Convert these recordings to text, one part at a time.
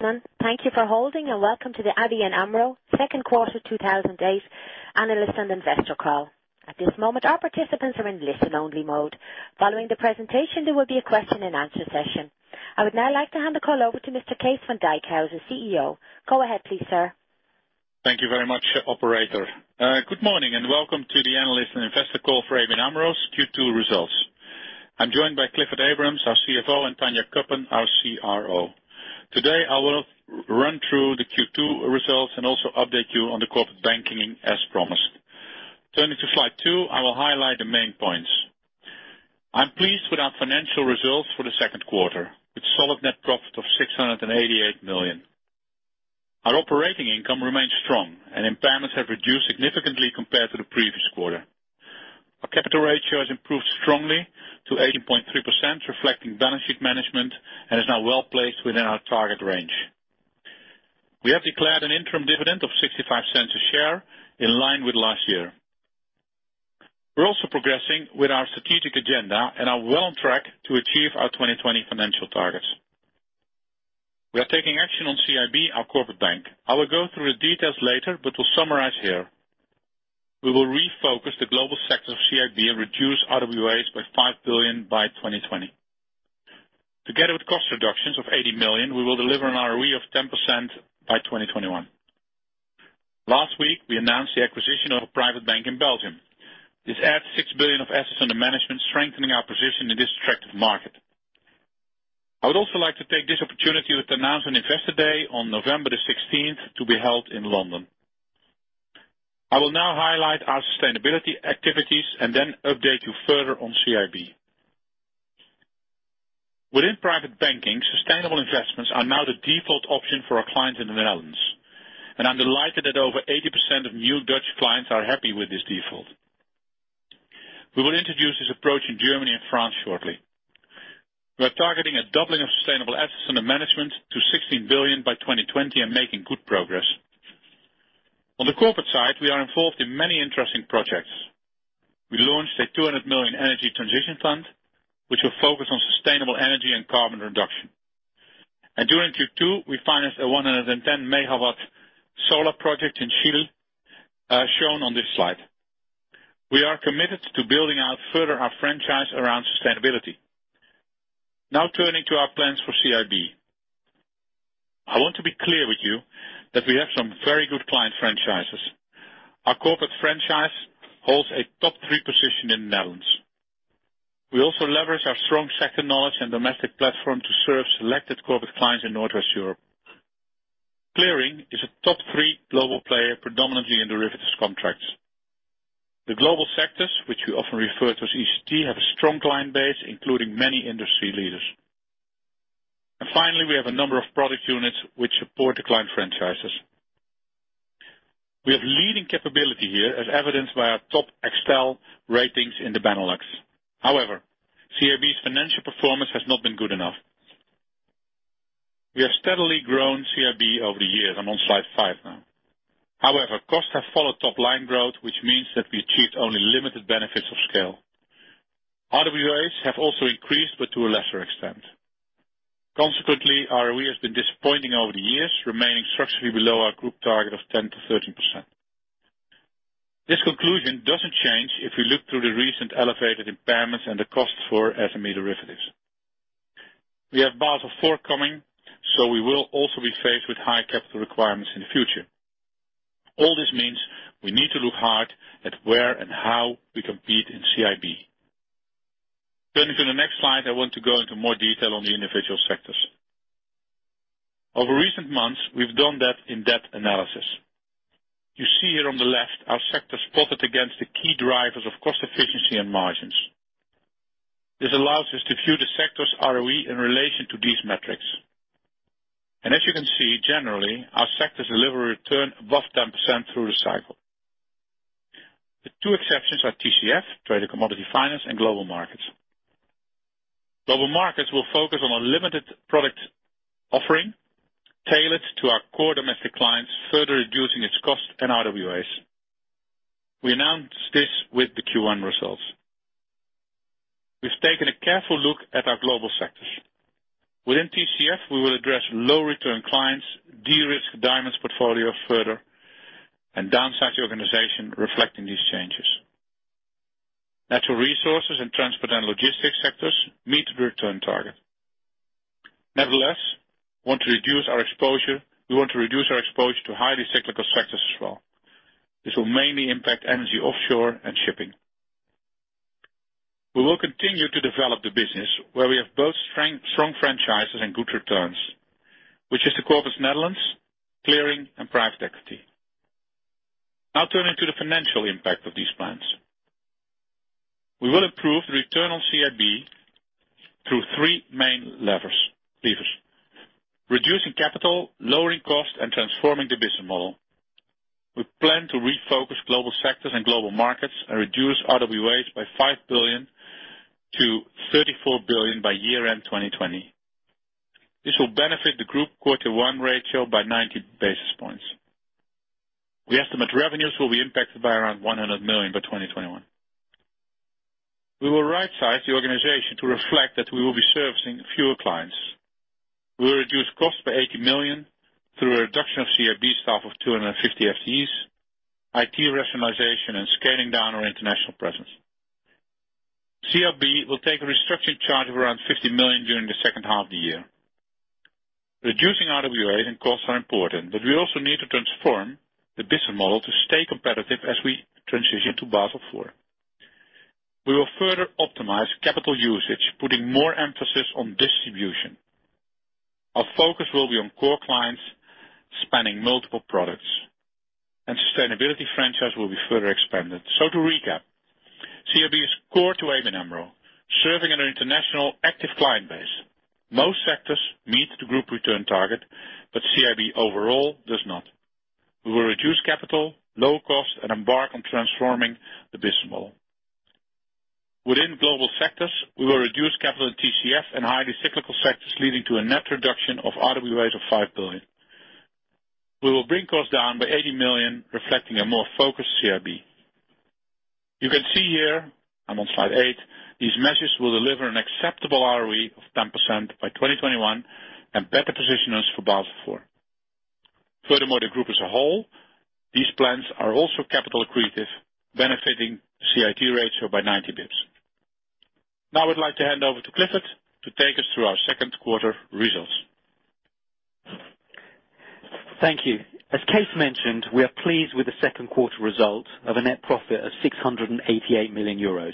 Thank you for holding and welcome to the ABN AMRO second quarter 2008 analyst and investor call. At this moment, our participants are in listen-only mode. Following the presentation, there will be a question and answer session. I would now like to hand the call over to Mr. Kees van Dijkhuizen, CEO. Go ahead please, sir. Thank you very much, operator. Good morning and welcome to the analyst and investor call for ABN AMRO's Q2 results. I am joined by Clifford Abrahams, our CFO, and Tanja Cuppen, our CRO. Today, I will run through the Q2 results and also update you on the corporate banking as promised. Turning to slide two, I will highlight the main points. I am pleased with our financial results for the second quarter, with solid net profit of 688 million. Our operating income remains strong, and impairments have reduced significantly compared to the previous quarter. Our capital ratio has improved strongly to 18.3%, reflecting balance sheet management and is now well-placed within our target range. We have declared an interim dividend of 0.65 a share in line with last year. We are also progressing with our strategic agenda and are well on track to achieve our 2020 financial targets. We are taking action on CIB, our corporate bank. I will go through the details later, but will summarize here. We will refocus the global sector of CIB and reduce RWAs by 5 billion by 2020. Together with cost reductions of 80 million, we will deliver an ROE of 10% by 2021. Last week, we announced the acquisition of a private bank in Belgium. This adds 6 billion of assets under management, strengthening our position in this attractive market. I would also like to take this opportunity to announce an investor day on November 16th to be held in London. I will now highlight our sustainability activities and then update you further on CIB. Within private banking, sustainable investments are now the default option for our clients in the Netherlands. I am delighted that over 80% of new Dutch clients are happy with this default. We will introduce this approach in Germany and France shortly. We are targeting a doubling of sustainable assets under management to 16 billion by 2020 and making good progress. On the corporate side, we are involved in many interesting projects. We launched a 200 million energy transition fund, which will focus on sustainable energy and carbon reduction. During Q2, we financed a 110-megawatt solar project in Chile, shown on this slide. We are committed to building out further our franchise around sustainability. Now turning to our plans for CIB. I want to be clear with you that we have some very good client franchises. Our corporate franchise holds a top three position in the Netherlands. We also leverage our strong sector knowledge and domestic platform to serve selected corporate clients in Northwest Europe. Clearing is a top three global player, predominantly in derivatives contracts. The global sectors, which we often refer to as ECT, have a strong client base, including many industry leaders. Finally, we have a number of product units which support the client franchises. We have leading capability here as evidenced by our top XL ratings in the Benelux. However, CIB's financial performance has not been good enough. We have steadily grown CIB over the years. I'm on slide five now. Costs have followed top-line growth, which means that we achieved only limited benefits of scale. RWAs have also increased, but to a lesser extent. Consequently, ROE has been disappointing over the years, remaining structurally below our group target of 10%-13%. This conclusion doesn't change if you look through the recent elevated impairments and the cost for SME derivatives. We have Basel IV coming, we will also be faced with high capital requirements in the future. All this means we need to look hard at where and how we compete in CIB. Turning to the next slide, I want to go into more detail on the individual sectors. Over recent months, we've done that in-depth analysis. You see here on the left, our sectors plotted against the key drivers of cost efficiency and margins. This allows us to view the sector's ROE in relation to these metrics. As you can see, generally, our sectors deliver a return above 10% through the cycle. The two exceptions are TCF, Trade and Commodity Finance, and Global Markets. Global Markets will focus on a limited product offering tailored to our core domestic clients, further reducing its cost and RWAs. We announced this with the Q1 results. We've taken a careful look at our global sectors. Within TCF, we will address low-return clients, de-risk diamonds portfolio further, and downsize the organization reflecting these changes. Natural resources and transport and logistics sectors meet the return target. We want to reduce our exposure to highly cyclical sectors as well. This will mainly impact energy offshore and shipping. We will continue to develop the business where we have both strong franchises and good returns, which is the corporate Netherlands, clearing, and private equity. Turning to the financial impact of these plans. We will improve the return on CIB through three main levers. Reducing capital, lowering cost, and transforming the business model. We plan to refocus global sectors and Global Markets and reduce RWAs by 5 billion to 34 billion by year-end 2020. This will benefit the group quarter one ratio by 90 basis points. We estimate revenues will be impacted by around 100 million by 2021. We will rightsize the organization to reflect that we will be servicing fewer clients. We will reduce costs by 80 million through a reduction of CIB staff of 250 FTEs, IT rationalization, and scaling down our international presence. CIB will take a restructuring charge of around EUR 50 million during the second half of the year. Reducing RWA and costs are important, we also need to transform the business model to stay competitive as we transition to Basel IV. We will further optimize capital usage, putting more emphasis on distribution. Our focus will be on core clients spanning multiple products, sustainability franchise will be further expanded. To recap, CIB is core to ABN AMRO, serving an international active client base. Most sectors meet the group return target, CIB overall does not. We will reduce capital, lower costs, and embark on transforming the business model. Within global sectors, we will reduce capital in TCF and highly cyclical sectors, leading to a net reduction of RWAs of 5 billion. We will bring costs down by 80 million, reflecting a more focused CIB. You can see here, I'm on slide eight, these measures will deliver an acceptable ROE of 10% by 2021 and better position us for Basel IV. The group as a whole, these plans are also capital accretive, benefiting the CET1 ratio by 90 basis points. Now I'd like to hand over to Clifford to take us through our second quarter results. Thank you. As Kees mentioned, we are pleased with the second quarter result of a net profit of 688 million euros.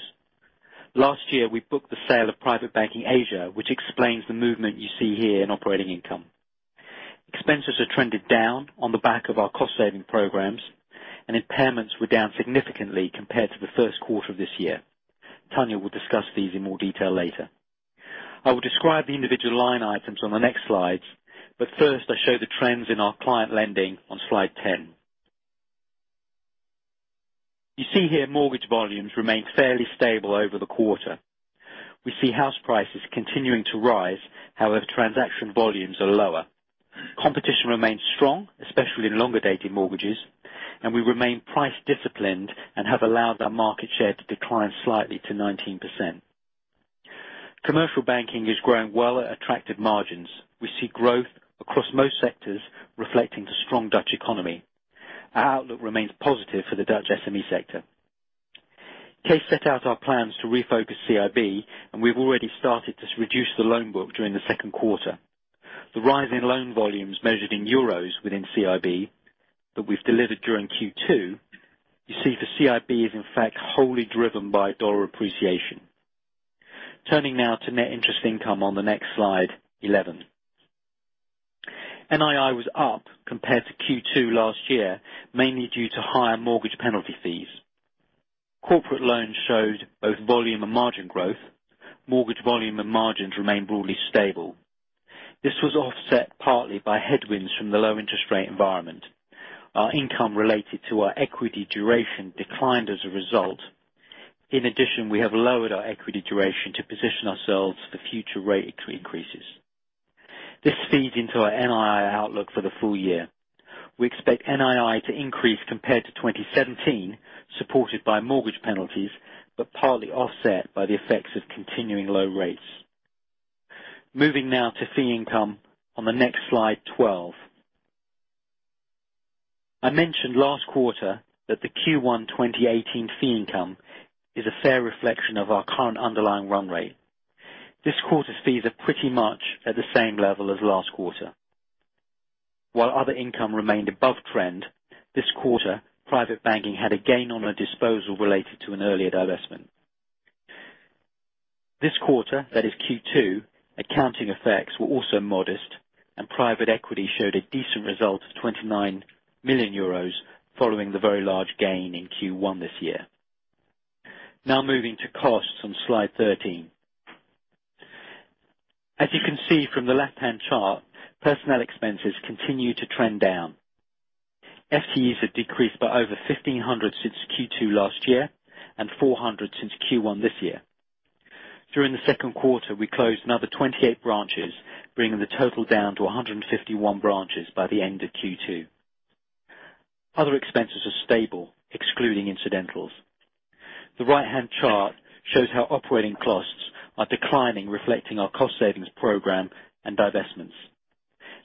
Last year, we booked the sale of Private Banking Asia, which explains the movement you see here in operating income. Expenses have trended down on the back of our cost-saving programs, and impairments were down significantly compared to the first quarter of this year. Tanja will discuss these in more detail later. I will describe the individual line items on the next slides, but first I show the trends in our client lending on slide 10. You see here mortgage volumes remain fairly stable over the quarter. We see house prices continuing to rise. However, transaction volumes are lower. Competition remains strong, especially in longer-dated mortgages, and we remain price disciplined and have allowed our market share to decline slightly to 19%. Commercial banking is growing well at attractive margins. We see growth across most sectors reflecting the strong Dutch economy. Our outlook remains positive for the Dutch SME sector. Kees set out our plans to refocus CIB, and we've already started to reduce the loan book during the second quarter. The rise in loan volumes measured in EUR within CIB that we've delivered during Q2, you see for CIB is in fact wholly driven by USD appreciation. Now to net interest income on the next slide, 11. NII was up compared to Q2 last year, mainly due to higher mortgage penalty fees. Corporate loans showed both volume and margin growth. Mortgage volume and margins remained broadly stable. This was offset partly by headwinds from the low interest rate environment. Our income related to our equity duration declined as a result. We have lowered our equity duration to position ourselves for future rate increases. This feeds into our NII outlook for the full year. We expect NII to increase compared to 2017, supported by mortgage penalties, but partly offset by the effects of continuing low rates. To fee income on the next slide, 12. I mentioned last quarter that the Q1 2018 fee income is a fair reflection of our current underlying run rate. This quarter's fees are pretty much at the same level as last quarter. While other income remained above trend, this quarter, private banking had a gain on a disposal related to an earlier divestment. This quarter, that is Q2, accounting effects were also modest, and private equity showed a decent result of EUR 29 million following the very large gain in Q1 this year. To costs on slide 13. As you can see from the left-hand chart, personnel expenses continue to trend down. FTEs have decreased by over 1,500 since Q2 last year and 400 since Q1 this year. During the second quarter, we closed another 28 branches, bringing the total down to 151 branches by the end of Q2. Other expenses are stable, excluding incidentals. The right-hand chart shows how operating costs are declining, reflecting our cost savings program and divestments.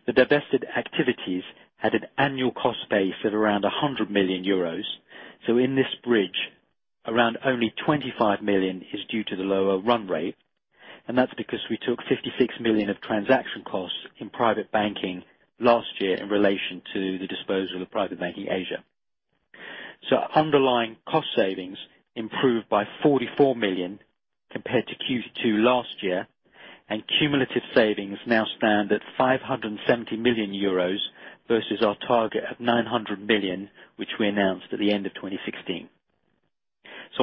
The divested activities had an annual cost base of around 100 million euros, so in this bridge, around only 25 million is due to the lower run rate, and that's because we took 56 million of transaction costs in private banking last year in relation to the disposal of Private Banking Asia. Underlying cost savings improved by 44 million compared to Q2 last year, and cumulative savings now stand at 570 million euros versus our target of 900 million, which we announced at the end of 2016.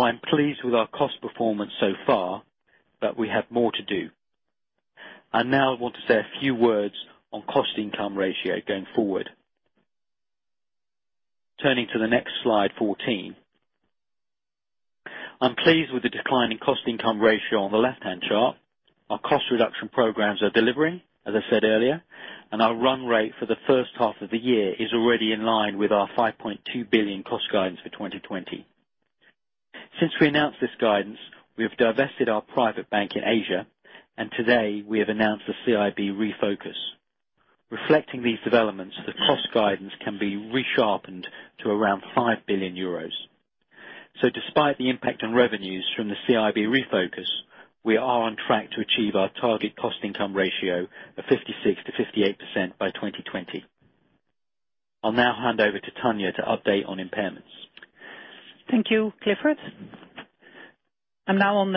I'm pleased with our cost performance so far, but we have more to do. I now want to say a few words on cost income ratio going forward. Turning to the next slide 14. I'm pleased with the decline in cost income ratio on the left-hand chart. Our cost reduction programs are delivering, as I said earlier, and our run rate for the first half of the year is already in line with our 5.2 billion cost guidance for 2020. Since we announced this guidance, we have divested our Private Banking Asia, and today we have announced the CIB refocus. Reflecting these developments, the cost guidance can be resharpened to around 5 billion euros. Despite the impact on revenues from the CIB refocus, we are on track to achieve our target cost income ratio of 56%-58% by 2020. I'll now hand over to Tanja to update on impairments. Thank you, Clifford. I'm now on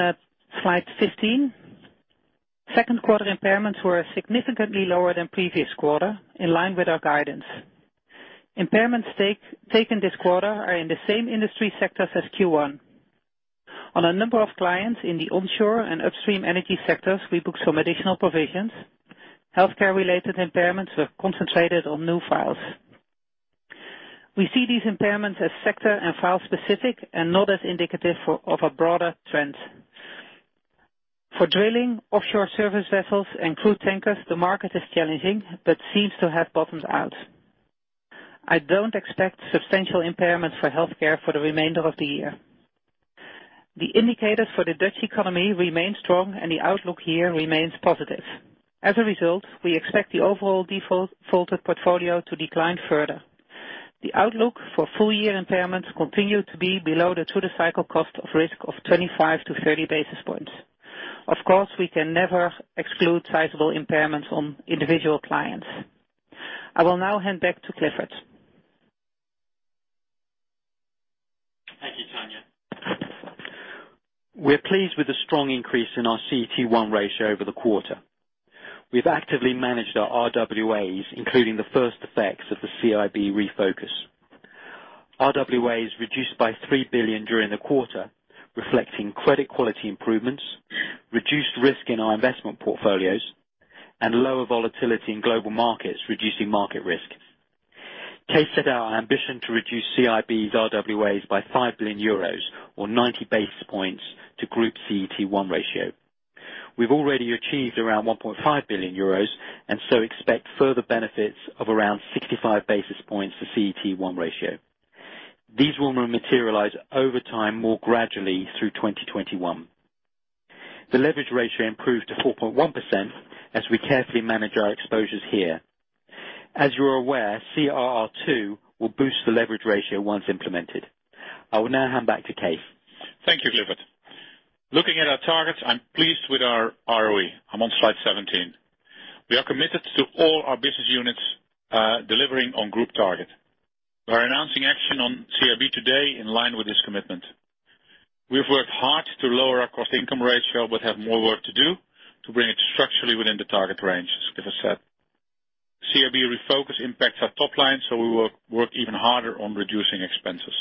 slide 15. Second quarter impairments were significantly lower than previous quarter, in line with our guidance. Impairments taken this quarter are in the same industry sectors as Q1. On a number of clients in the onshore and upstream energy sectors, we booked some additional provisions. Healthcare related impairments were concentrated on new files. We see these impairments as sector and file specific and not as indicative of a broader trend. For drilling, offshore service vessels, and crude tankers, the market is challenging, but seems to have bottomed out. I don't expect substantial impairments for healthcare for the remainder of the year. The indicators for the Dutch economy remain strong and the outlook here remains positive. As a result, we expect the overall defaulted portfolio to decline further. The outlook for full year impairments continue to be below the through-the-cycle cost of risk of 25-30 basis points. Of course, we can never exclude sizable impairments on individual clients. I will now hand back to Clifford. Thank you, Tanja. We're pleased with the strong increase in our CET1 ratio over the quarter. We've actively managed our RWAs, including the first effects of the CIB refocus. RWAs reduced by 3 billion during the quarter, reflecting credit quality improvements, reduced risk in our investment portfolios, and lower volatility in Global Markets, reducing market risk. Kees set out our ambition to reduce CIB's RWAs by 5 billion euros or 90 basis points to Group CET1 ratio. We've already achieved around 1.5 billion euros expect further benefits of around 65 basis points for CET1 ratio. These will materialize over time more gradually through 2021. The leverage ratio improved to 4.1% as we carefully manage our exposures here. As you are aware, CRR II will boost the leverage ratio once implemented. I will now hand back to Kees. Thank you, Clifford. Looking at our targets, I'm pleased with our ROE. I'm on slide 17. We are committed to all our business units delivering on group target. We are announcing action on CIB today in line with this commitment. We have worked hard to lower our cost income ratio, have more work to do to bring it structurally within the target range, as Clifford said. CIB refocus impacts our top line, we will work even harder on reducing expenses.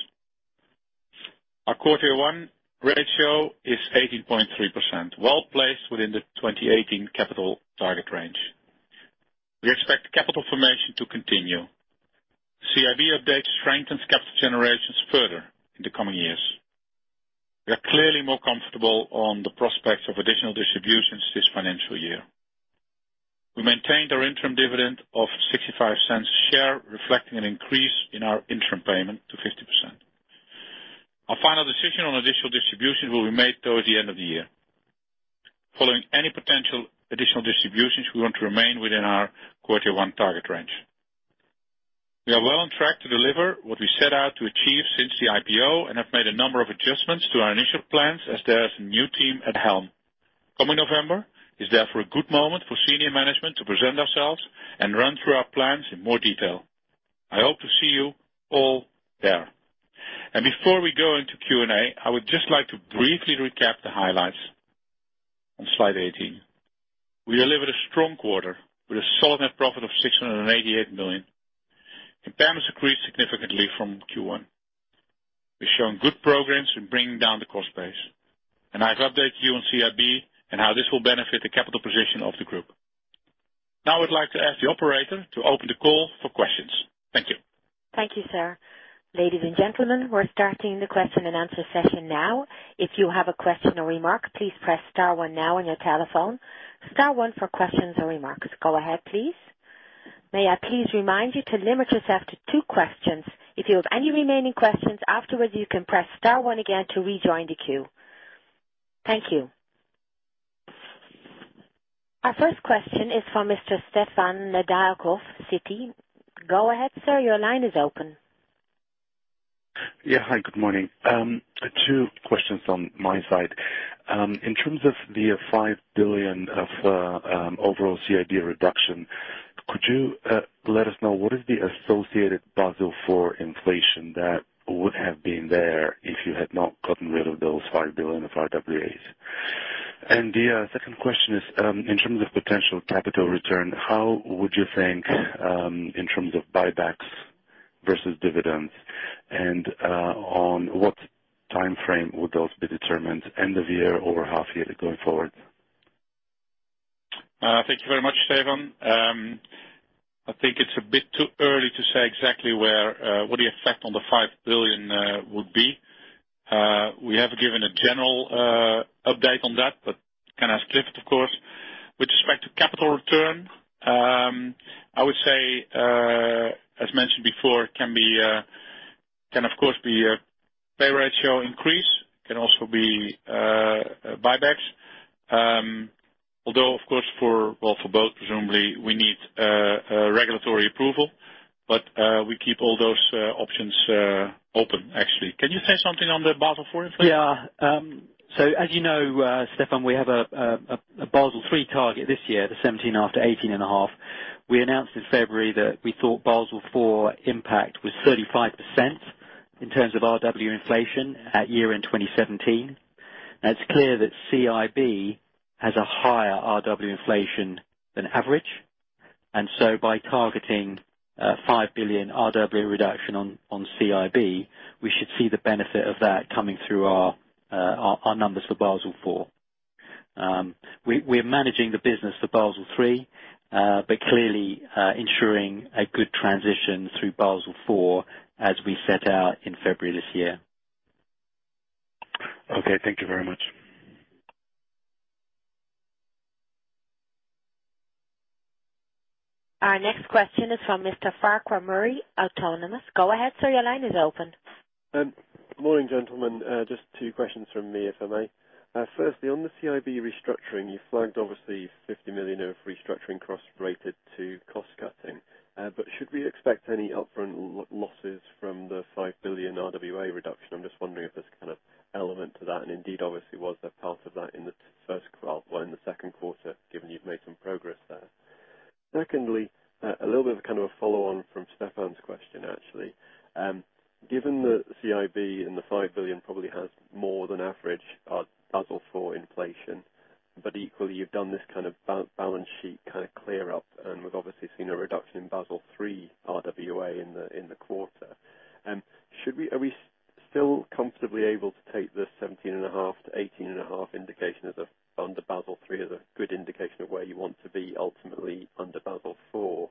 Our quarter one ratio is 18.3%, well placed within the 2018 capital target range. We expect capital formation to continue. CIB updates strengthens capital generations further in the coming years. We are clearly more comfortable on the prospects of additional distributions this financial year. We maintained our interim dividend of 0.65 a share, reflecting an increase in our interim payment to 50%. Our final decision on additional distributions will be made towards the end of the year. Following any potential additional distributions, we want to remain within our quarter one target range. We are well on track to deliver what we set out to achieve since the IPO and have made a number of adjustments to our initial plans as there is a new team at helm. Coming November is therefore a good moment for senior management to present ourselves and run through our plans in more detail. I hope to see you all there. Before we go into Q&A, I would just like to briefly recap the highlights on slide 18. We delivered a strong quarter with a solid net profit of 688 million. Impairments decreased significantly from Q1. We've shown good progress in bringing down the cost base. I've updated you on CIB and how this will benefit the capital position of the group. Now, I'd like to ask the operator to open the call for questions. Thank you. Thank you, sir. Ladies and gentlemen, we're starting the question and answer session now. If you have a question or remark, please press star one now on your telephone. Star one for questions or remarks. Go ahead, please. May I please remind you to limit yourself to two questions. If you have any remaining questions afterwards, you can press star one again to rejoin the queue. Thank you. Our first question is from Mr. Stefan Nedialkov, Citi. Go ahead, sir. Your line is open. Yeah. Hi, good morning. Two questions on my side. In terms of the 5 billion of overall CIB reduction, could you let us know what is the associated Basel IV inflation that would have been there if you had not gotten rid of those 5 billion of RWAs? The second question is, in terms of potential capital return, how would you think in terms of buybacks versus dividends and on what timeframe would those be determined, end of year or half yearly going forward? Thank you very much, Stefan. I think it's a bit too early to say exactly what the effect on the 5 billion would be. We have given a general update on that, but it can drift, of course. With respect to capital return, I would say, as mentioned before, can of course be a pay ratio increase. It can also be buybacks. Although, of course, for both, presumably, we need regulatory approval. We keep all those options open, actually. Can you say something on the Basel IV inflation? Yeah. As you know, Stefan, we have a Basel III target this year, the 17 after 18.5. We announced in February that we thought Basel IV impact was 35% in terms of RWA inflation at year-end 2017. It's clear that CIB has a higher RWA inflation than average. By targeting a 5 billion RWA reduction on CIB, we should see the benefit of that coming through our numbers for Basel IV. We're managing the business for Basel III, clearly ensuring a good transition through Basel IV as we set out in February this year. Okay. Thank you very much. Our next question is from Mr. Farquhar Murray, Autonomous. Go ahead, sir. Your line is open. Morning, gentlemen. Just two questions from me, if I may. Firstly, on the CIB restructuring, you flagged obviously 50 million of restructuring costs related to cost-cutting. Should we expect any upfront losses from the 5 billion RWA reduction? I'm just wondering if there's element to that, and indeed, obviously was there part of that in the second quarter, given you've made some progress there. Secondly, a little bit of a follow-on from Stefan's question, actually. Given the CIB and the 5 billion probably has more than average Basel IV inflation, equally, you've done this balance sheet clear up, and we've obviously seen a reduction in Basel III RWA in the quarter. Are we still comfortably able to take the 17.5 to 18.5 indication under Basel III as a good indication of where you want to be ultimately under Basel IV?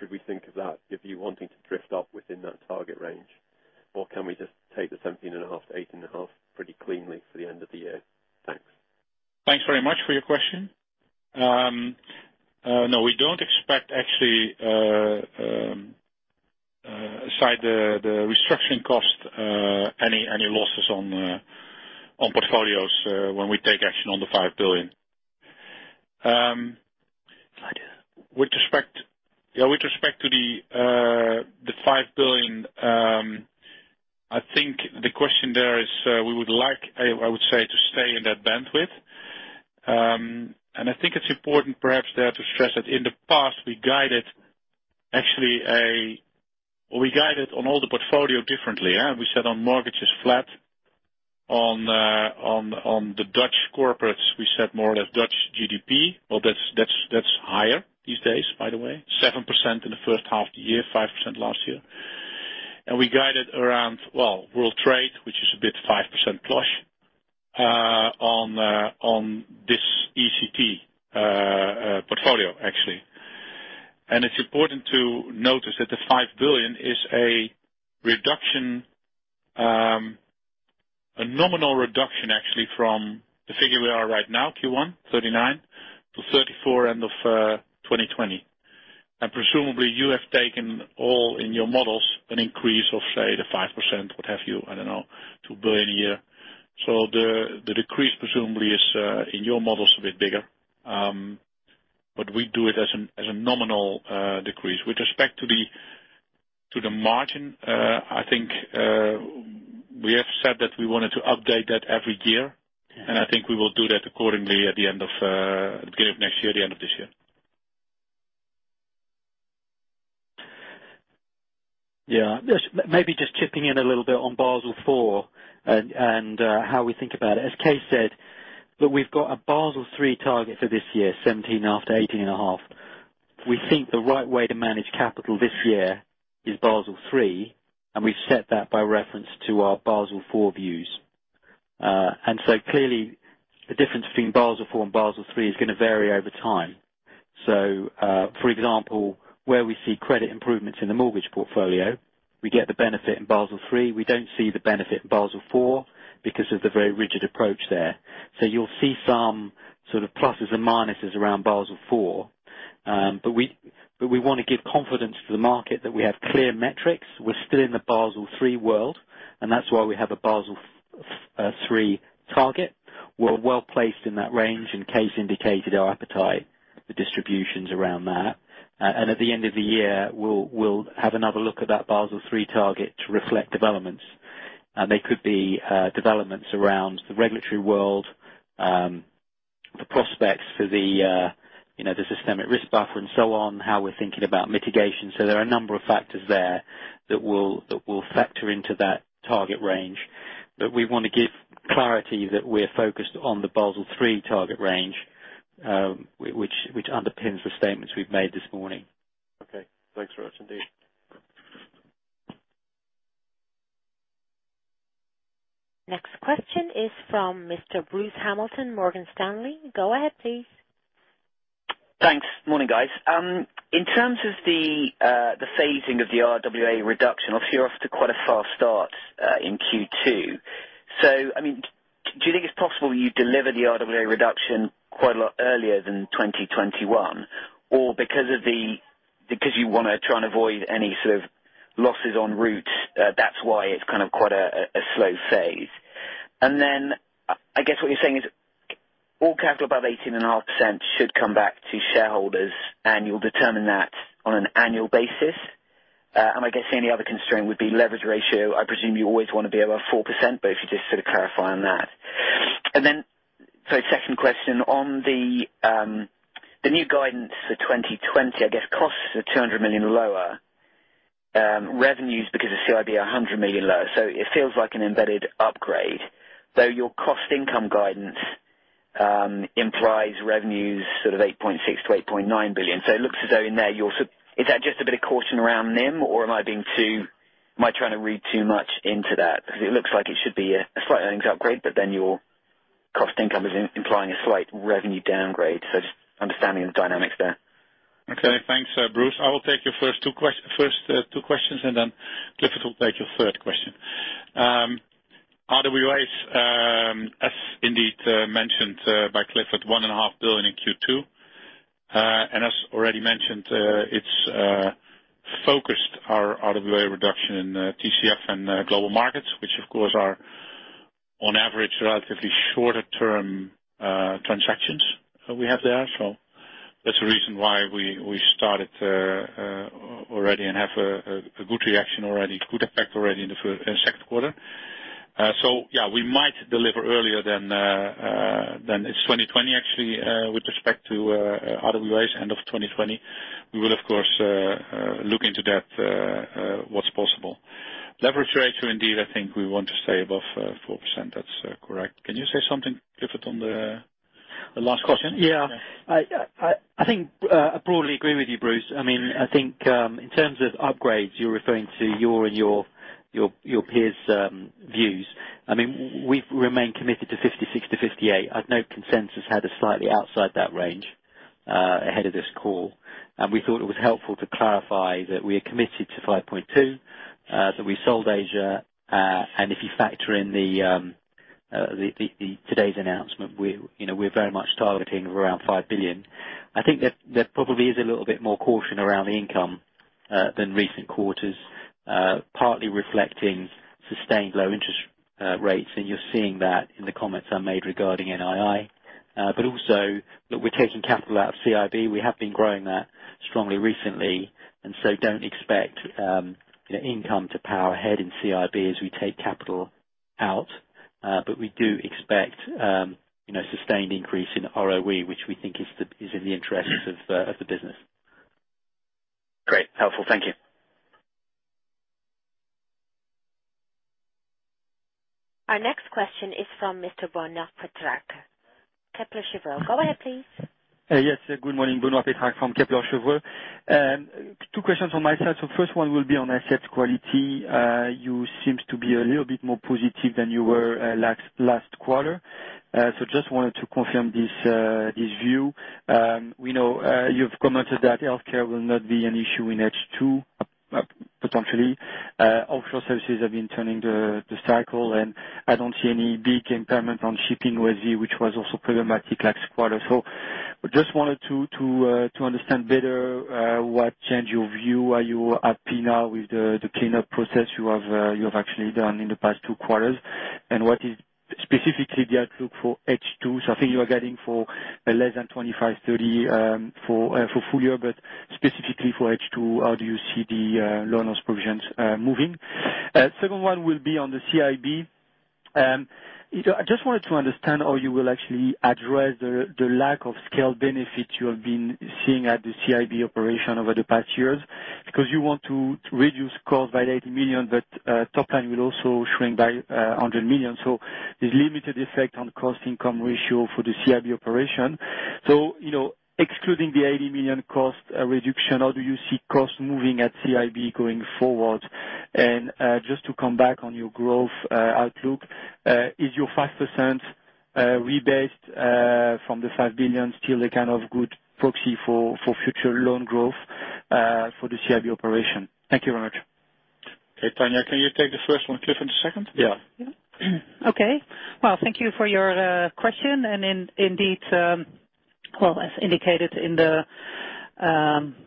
Should we think of that if you're wanting to drift up within that target range? Can we just take the 17.5%-18.5% pretty cleanly for the end of the year? Thanks. Thanks very much for your question. No, we don't expect actually, aside the restructuring cost, any losses on portfolios when we take action on the 5 billion. Slide. With respect to the 5 billion, I think the question there is we would like, I would say, to stay in that bandwidth. I think it's important perhaps there to stress that in the past, we guided on all the portfolio differently. We said on mortgages flat. On the Dutch corporates, we said more or less Dutch GDP. Well, that's higher these days, by the way. 7% in the first half of the year, 5% last year. We guided around, well, world trade, which is a bit 5%-plus, on this ECT portfolio, actually. It's important to notice that the EUR 5 billion is a nominal reduction actually from the figure we are right now, Q1, 39 billion-34 billion end of 2020. Presumably, you have taken all in your models an increase of, say, the 5%, what have you, I don't know, 2 billion a year. The decrease presumably is, in your models, a bit bigger. We do it as a nominal decrease. With respect to the margin, I think we have said that we wanted to update that every year, I think we will do that accordingly at the beginning of next year, the end of this year. Yeah. Maybe just chipping in a little bit on Basel IV and how we think about it. As Kees said, look, we've got a Basel III target for this year, 17 after 18.5. We think the right way to manage capital this year is Basel III, and we've set that by reference to our Basel IV views. Clearly, the difference between Basel IV and Basel III is going to vary over time. For example, where we see credit improvements in the mortgage portfolio, we get the benefit in Basel III. We don't see the benefit in Basel IV because of the very rigid approach there. You'll see some sort of pluses and minuses around Basel IV. We want to give confidence to the market that we have clear metrics. We're still in the Basel III world, and that's why we have a Basel III target. We're well-placed in that range, and Kees indicated our appetite, the distributions around that. At the end of the year, we'll have another look at that Basel III target to reflect developments. They could be developments around the regulatory world, the prospects for the systemic risk buffer and so on, how we're thinking about mitigation. There are a number of factors there that will factor into that target range. We want to give clarity that we're focused on the Basel III target range, which underpins the statements we've made this morning. Okay. Thanks very much indeed. Next question is from Mr. Bruce Hamilton, Morgan Stanley. Go ahead, please. Thanks. Morning, guys. In terms of the phasing of the RWA reduction, you're off to quite a fast start in Q2. Do you think it's possible you deliver the RWA reduction quite a lot earlier than 2021? Because you want to try and avoid any sort of losses on roots, that's why it's kind of quite a slow phase. I guess what you're saying is all capital above 18.5% should come back to shareholders, and you'll determine that on an annual basis. I guess the only other constraint would be leverage ratio. I presume you always want to be above 4%, but if you just sort of clarify on that. Second question on the new guidance for 2020, I guess costs are 200 million lower, revenues because of CIB are 100 million lower. It feels like an embedded upgrade, though your cost income guidance implies revenues sort of 8.6 billion to 8.9 billion. It looks as though in there, is that just a bit of caution around NIM or am I trying to read too much into that? It looks like it should be a slight earnings upgrade, but then your cost income is implying a slight revenue downgrade. Just understanding the dynamics there. Okay. Thanks, Bruce. I will take your first two questions, Clifford will take your third question. RWAs, as indeed mentioned by Clifford, 1.5 billion in Q2. As already mentioned, it's focused our RWA reduction in TCF and Global Markets, which of course are on average, relatively shorter term transactions that we have there. That's the reason why we started already and have a good reaction already, good effect already in the second quarter. Yeah, we might deliver earlier than 2020, actually, with respect to RWAs end of 2020. We will, of course, look into that, what's possible. Leverage ratio, indeed, I think we want to stay above 4%. That's correct. Can you say something, Clifford, on the last question? Yeah. I think I broadly agree with you, Bruce. I think in terms of upgrades, you're referring to your and your peers' views. We've remained committed to 56%-58%. I have no consensus how to slightly outside that range ahead of this call. We thought it was helpful to clarify that we are committed to 5.2 billion, that we sold Private Banking Asia. If you factor in today's announcement, we're very much targeting around 5 billion. I think that probably is a little bit more caution around income than recent quarters, partly reflecting sustained low interest rates. You're seeing that in the comments I made regarding NII. Look, we're taking capital out of CIB. We have been growing that strongly recently, don't expect income to power ahead in CIB as we take capital out. We do expect sustained increase in ROE, which we think is in the interests of the business. Great. Helpful. Thank you. Our next question is from Mr. Benoit Petrarque, Kepler Cheuvreux. Go ahead, please. Yes. Good morning, Benoit Petrarque from Kepler Cheuvreux. Two questions on my side. First one will be on asset quality. You seems to be a little bit more positive than you were last quarter. Just wanted to confirm this view. We know you've commented that healthcare will not be an issue in H2 potentially. Offshore services have been turning the cycle, and I don't see any big impairment on shipping with you, which was also problematic last quarter. Just wanted to understand better what changed your view. Are you happy now with the cleanup process you have actually done in the past two quarters? What is specifically the outlook for H2? I think you are guiding for less than 25-30 for full year, but specifically for H2, how do you see the loan loss provisions moving? Second one will be on the CIB. I just wanted to understand how you will actually address the lack of scale benefits you have been seeing at the CIB operation over the past years. You want to reduce costs by 80 million, but top line will also shrink by 100 million. There's limited effect on cost income ratio for the CIB operation. Excluding the 80 million cost reduction, how do you see costs moving at CIB going forward? Just to come back on your growth outlook, is your 5% rebased from the 5 billion still a kind of good proxy for future loan growth for the CIB operation? Thank you very much. Okay, Tanja, can you take the first one, Clifford the second? Yeah. Okay. Well, thank you for your question. Indeed, well, as indicated in the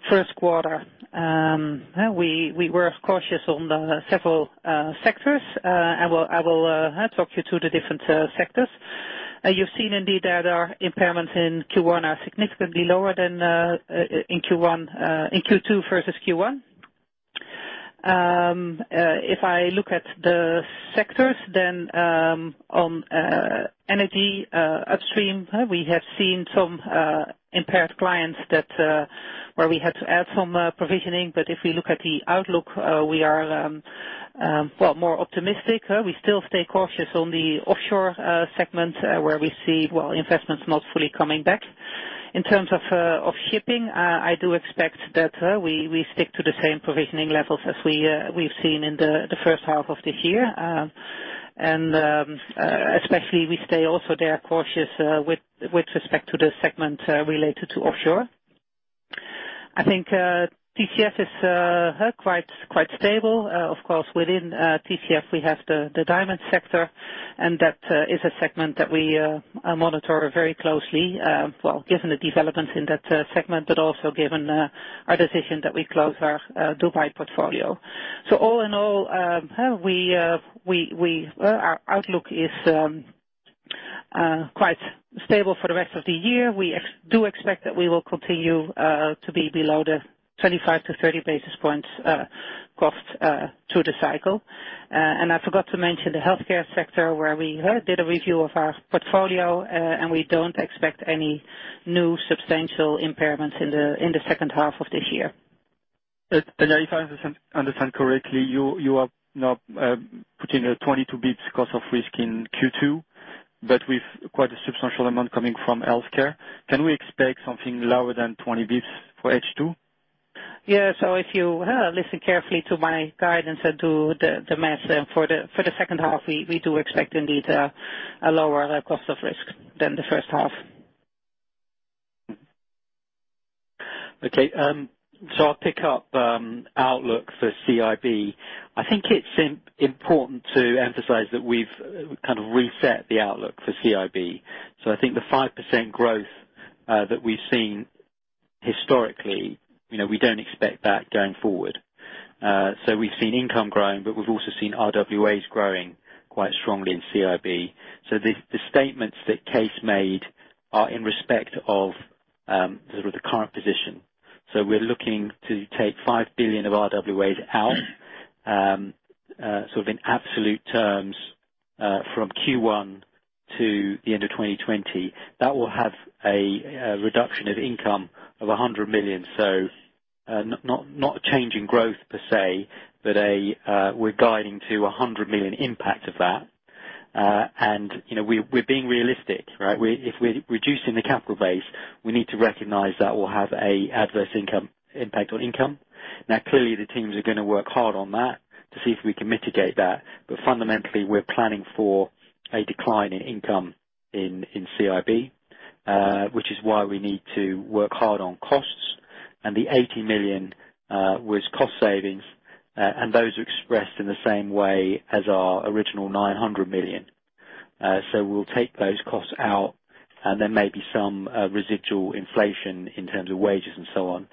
first quarter, we were cautious on the several sectors. I will talk you through the different sectors. You've seen indeed that our impairments in Q2 are significantly lower than in Q2 versus Q1. If I look at the sectors, on energy upstream, we have seen some impaired clients where we had to add some provisioning. If we look at the outlook, we are more optimistic. We still stay cautious on the offshore segment where we see investments not fully coming back. In terms of shipping, I do expect that we stick to the same provisioning levels as we've seen in the first half of the year. Especially, we stay also there cautious with respect to the segment related to offshore. I think TCF is quite stable. Of course, within TCF we have the diamond sector. That is a segment that we monitor very closely. Well, given the developments in that segment, also given our decision that we close our Dubai portfolio. All in all, our outlook is quite stable for the rest of the year. We do expect that we will continue to be below the 25-30 basis points cost through the cycle. I forgot to mention the healthcare sector, where we did a review of our portfolio, and we don't expect any new substantial impairments in the second half of this year. If I understand correctly, you are now putting a 22 basis points cost of risk in Q2, but with quite a substantial amount coming from healthcare. Can we expect something lower than 20 basis points for H2? Yeah. If you listen carefully to my guidance and do the math for the second half, we do expect indeed a lower cost of risk than the first half. Okay. I'll pick up outlook for CIB. I think it's important to emphasize that we've kind of reset the outlook for CIB. I think the 5% growth that we've seen historically, we don't expect that going forward. We've seen income growing, but we've also seen RWAs growing quite strongly in CIB. The statements that Kees made are in respect of the sort of the current position. We're looking to take 5 billion of RWAs out, sort of in absolute terms from Q1 to the end of 2020. That will have a reduction of income of 100 million. Not a change in growth per se, but we're guiding to 100 million impact of that. We're being realistic, right? If we're reducing the capital base, we need to recognize that will have a adverse impact on income. Clearly, the teams are going to work hard on that to see if we can mitigate that. Fundamentally, we're planning for a decline in income in CIB, which is why we need to work hard on costs. The 80 million was cost savings, and those are expressed in the same way as our original 900 million. We'll take those costs out, and there may be some residual inflation in terms of wages and so on.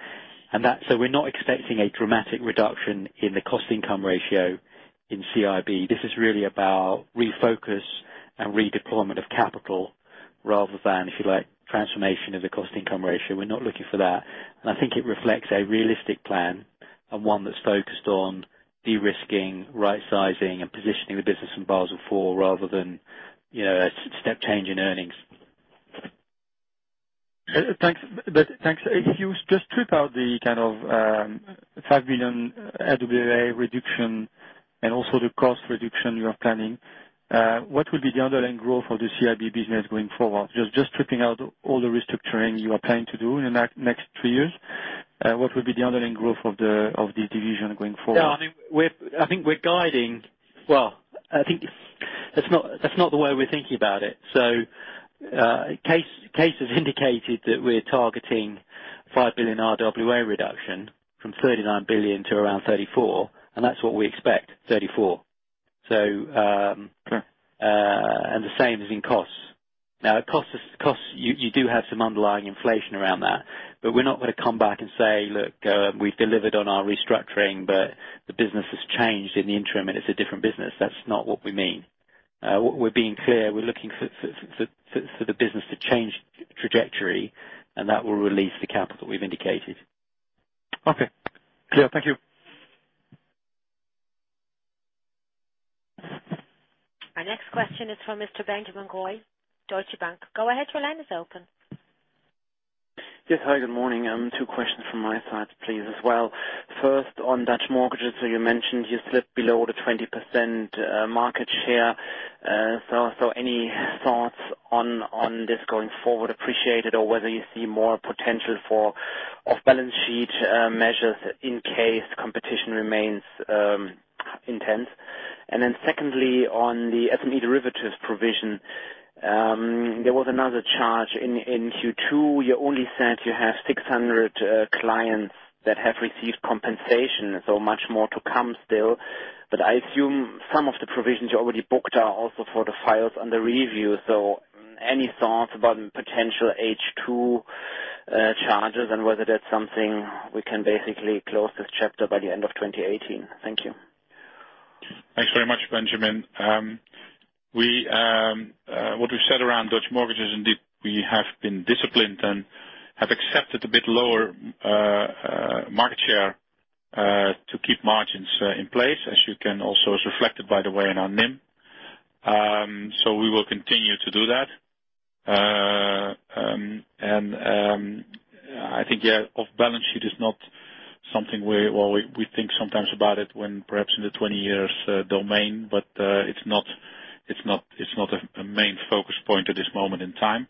We're not expecting a dramatic reduction in the cost income ratio in CIB. This is really about refocus and redeployment of capital rather than, if you like, transformation of the cost income ratio. We're not looking for that. I think it reflects a realistic plan and one that's focused on de-risking, right sizing, and positioning the business in Basel IV rather than a step change in earnings. Thanks. If you just strip out the kind of 5 billion RWA reduction and also the cost reduction you are planning, what will be the underlying growth of the CIB business going forward? Just stripping out all the restructuring you are planning to do in the next 3 years, what will be the underlying growth of the division going forward? I think that's not the way we're thinking about it. Kees has indicated that we're targeting 5 billion RWA reduction from 39 billion to around 34, and that's what we expect, 34. Okay. The same is in costs. Costs, you do have some underlying inflation around that, we're not going to come back and say, "Look, we've delivered on our restructuring, the business has changed in the interim, it's a different business." That's not what we mean. We're being clear. We're looking for the business to change trajectory, that will release the capital that we've indicated. Okay. Yeah, thank you. Our next question is from Mr. Benjamin Goy, Deutsche Bank. Go ahead, your line is open. Yes. Hi, good morning. Two questions from my side, please, as well. First, on Dutch mortgages. You mentioned you slipped below the 20% market share. Any thoughts on this going forward appreciated or whether you see more potential for off-balance sheet measures in case competition remains intense? Secondly, on the SME derivatives provision. There was another charge in Q2. You only said you have 600 clients that have received compensation, much more to come still. But I assume some of the provisions you already booked are also for the files under review. Any thoughts about potential H2 charges and whether that's something we can basically close this chapter by the end of 2018? Thank you. Thanks very much, Benjamin. What we've said around Dutch mortgages, indeed, we have been disciplined and have accepted a bit lower market share to keep margins in place, as you can also It's reflected, by the way, in our NIM. We will continue to do that. I think, yeah, off balance sheet is not. Something we think sometimes about it when perhaps in the 20 years domain, but it's not a main focus point at this moment in time.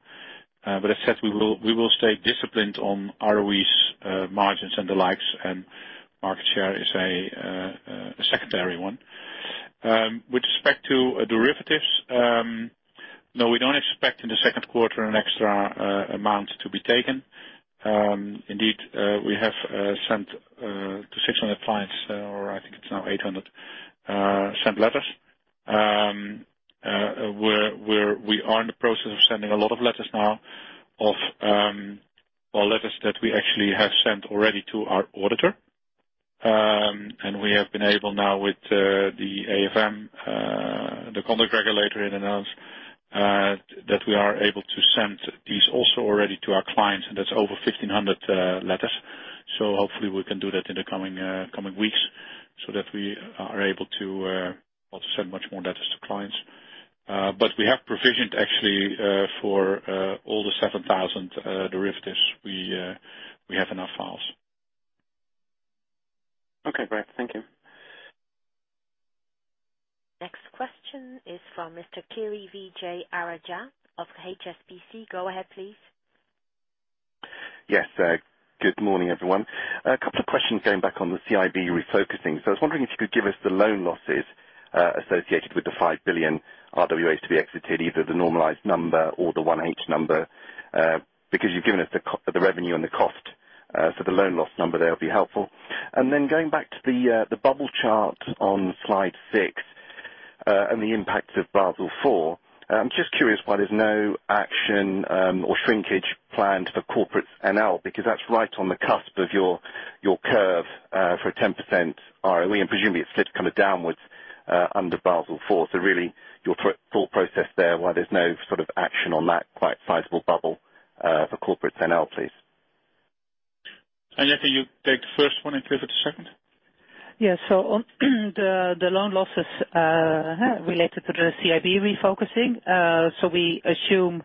As said, we will stay disciplined on ROEs, margins, and the likes, and market share is a secondary one. With respect to derivatives, no, we don't expect in the second quarter an extra amount to be taken. Indeed, we have sent to 600 clients, or I think it's now 800 sent letters. We are in the process of sending a lot of letters now of all letters that we actually have sent already to our auditor. We have been able now with the AFM, the conduct regulator in the Netherlands, that we are able to send these also already to our clients, and that's over 1,500 letters. Hopefully we can do that in the coming weeks so that we are able to send much more letters to clients. We have provisioned actually, for all the 7,000 derivatives. We have enough files. Okay, great. Thank you. Next question is from Mr. Kiri Vijayarajah of HSBC. Go ahead, please. Yes. Good morning, everyone. A couple of questions going back on the CIB refocusing. I was wondering if you could give us the loan losses associated with the 5 billion RWAs to be exited, either the normalized number or the one H number, because you've given us the revenue and the cost for the loan loss number there, it'll be helpful. Going back to the bubble chart on slide six, and the impact of Basel IV. I'm just curious why there's no action or shrinkage planned for corporate NL, because that's right on the cusp of your curve for a 10% ROE, and presumably it slips downwards under Basel IV. Really your thought process there, why there's no sort of action on that quite sizable bubble for corporate NL, please. Tanja, you take the first one and Clifford the second. The loan losses related to the CIB refocus. We assume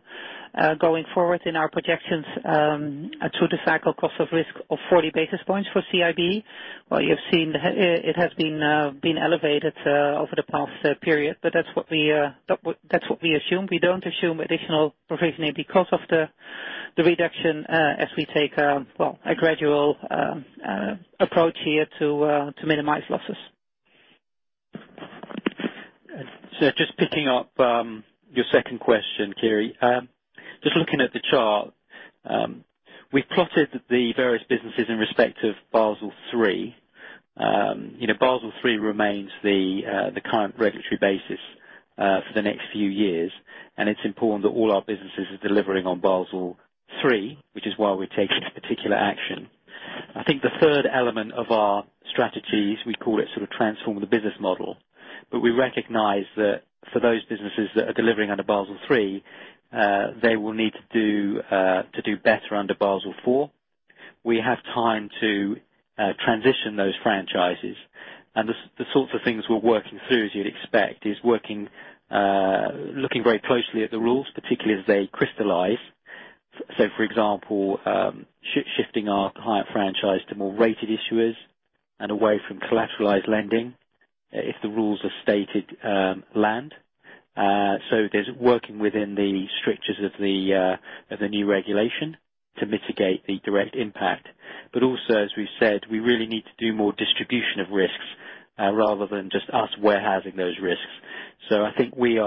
going forward in our projections through the cycle cost of risk of 40 basis points for CIB. While you have seen it has been elevated over the past period. That's what we assume. We don't assume additional provisioning because of the reduction as we take a gradual approach here to minimize losses. Just picking up your second question, Kiri. Just looking at the chart, we've plotted the various businesses in respect of Basel III. Basel III remains the current regulatory basis for the next few years, and it's important that all our businesses are delivering on Basel III, which is why we're taking this particular action. I think the third element of our strategies, we call it sort of transform the business model, but we recognize that for those businesses that are delivering under Basel III, they will need to do better under Basel IV. We have time to transition those franchises, and the sorts of things we're working through, as you'd expect, is looking very closely at the rules, particularly as they crystallize. For example, shifting our client franchise to more rated issuers and away from collateralized lending if the rules as stated stand. There's working within the strictures of the new regulation to mitigate the direct impact. Also, as we've said, we really need to do more distribution of risks rather than just us warehousing those risks. I think we're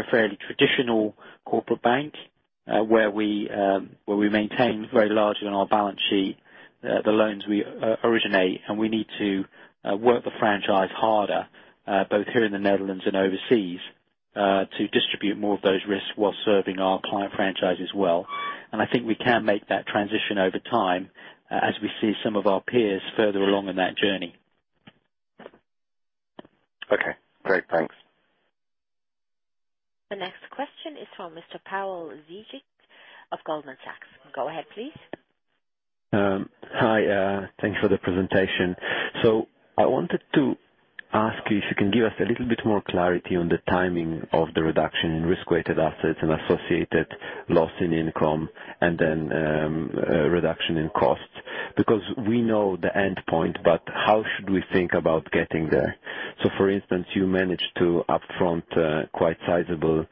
a fairly traditional corporate bank where we maintain very largely on our balance sheet the loans we originate, and we need to work the franchise harder, both here in the Netherlands and overseas, to distribute more of those risks while serving our client franchise as well. I think we can make that transition over time as we see some of our peers further along in that journey. Okay, great. Thanks. The next question is from Mr. Pawel Zygier of Goldman Sachs. Go ahead, please. Hi. Thanks for the presentation. I wanted to ask if you can give us a little bit more clarity on the timing of the reduction in risk-weighted assets and associated loss in income, then reduction in costs, because we know the endpoint, but how should we think about getting there? For instance, you managed to upfront quite sizable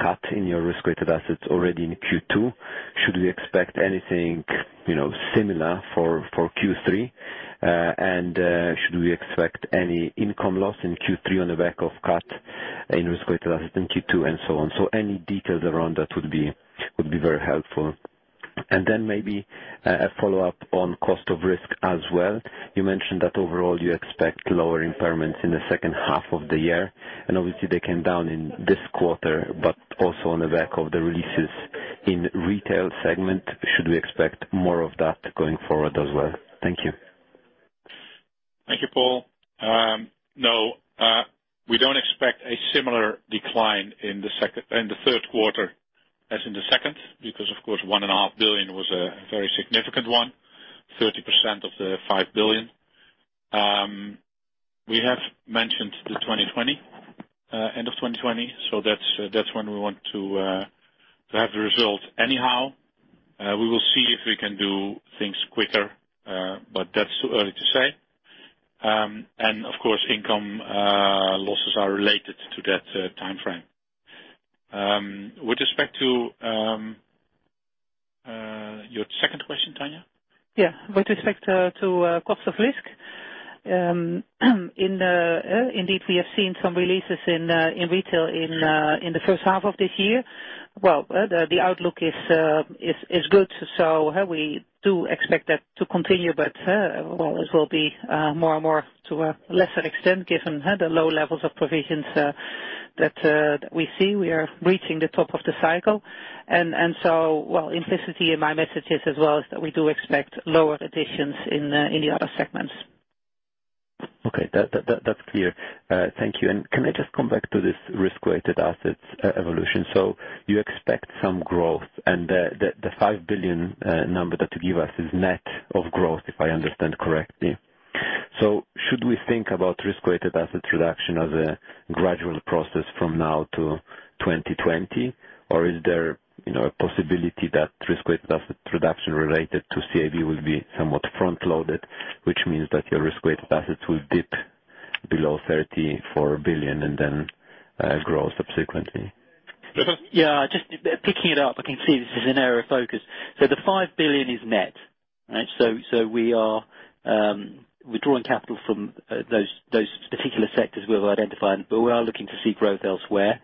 cut in your risk-weighted assets already in Q2. Should we expect anything similar for Q3? Should we expect any income loss in Q3 on the back of cut in risk-weighted assets in Q2 and so on? Any details around that would be very helpful. Maybe a follow-up on cost of risk as well. You mentioned that overall you expect lower impairments in the second half of the year. Obviously they came down in this quarter, but also on the back of the releases in retail segment. Should we expect more of that going forward as well? Thank you. Thank you, Pawel. No, we don't expect a similar decline in the third quarter as in the second, because of course, one and a half billion was a very significant one, 30% of the EUR 5 billion. That's when we want to have the result anyhow. We will see if we can do things quicker, but that's too early to say. Of course, income losses are related to that timeframe. With respect to your second question, Tanja? With respect to cost of risk. Indeed, we have seen some releases in retail in the first half of this year. The outlook is good, so we do expect that to continue, but always will be more and more to a lesser extent, given the low levels of provisions that we see. We are reaching the top of the cycle, implicitly in my messages as well, is that we do expect lower additions in the other segments. That's clear. Thank you. Can I just come back to this risk-weighted assets evolution? You expect some growth and the 5 billion number that you give us is net of growth, if I understand correctly. Should we think about risk-weighted assets reduction as a gradual process from now to 2020? Or is there a possibility that risk-weighted asset reduction related to CIB will be somewhat front-loaded, which means that your risk-weighted assets will dip below 34 billion grow subsequently? Clifford? Just picking it up, I can see this is an area of focus. The 5 billion is net. We are withdrawing capital from those particular sectors we've identified, but we are looking to see growth elsewhere.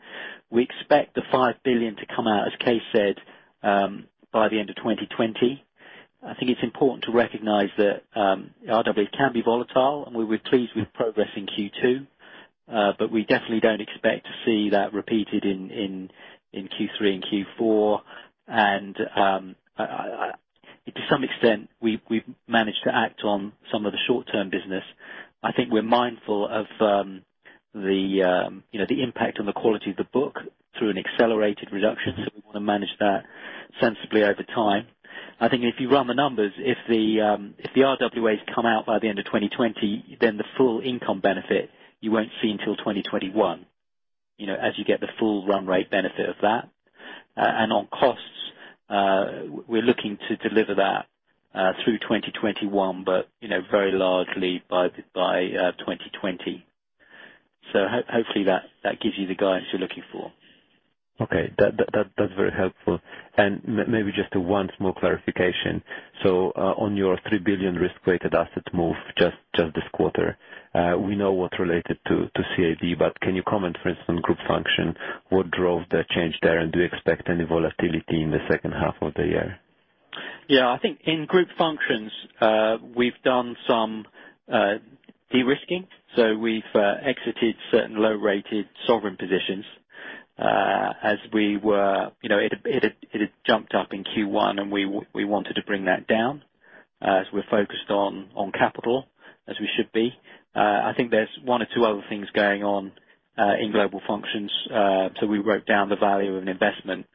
We expect the 5 billion to come out, as Kees said, by the end of 2020. I think it's important to recognize that RWAs can be volatile, and we're pleased with progress in Q2. We definitely don't expect to see that repeated in Q3 and Q4. To some extent, we've managed to act on some of the short-term business. I think we're mindful of the impact on the quality of the book through an accelerated reduction. We want to manage that sensibly over time. I think if you run the numbers, if the RWAs come out by the end of 2020, the full income benefit you won't see until 2021, as you get the full run rate benefit of that. On costs, we're looking to deliver that through 2021, but very largely by 2020. Hopefully that gives you the guidance you're looking for. Okay. That's very helpful. Maybe just one small clarification. On your 3 billion risk-weighted assets move just this quarter. We know what's related to CIB, but can you comment, for instance, on group function, what drove the change there, and do you expect any volatility in the second half of the year? I think in group functions, we've done some de-risking. We've exited certain low-rated sovereign positions. It had jumped up in Q1, we wanted to bring that down, as we're focused on capital, as we should be. I think there's one or two other things going on in global functions. We wrote down the value of an investment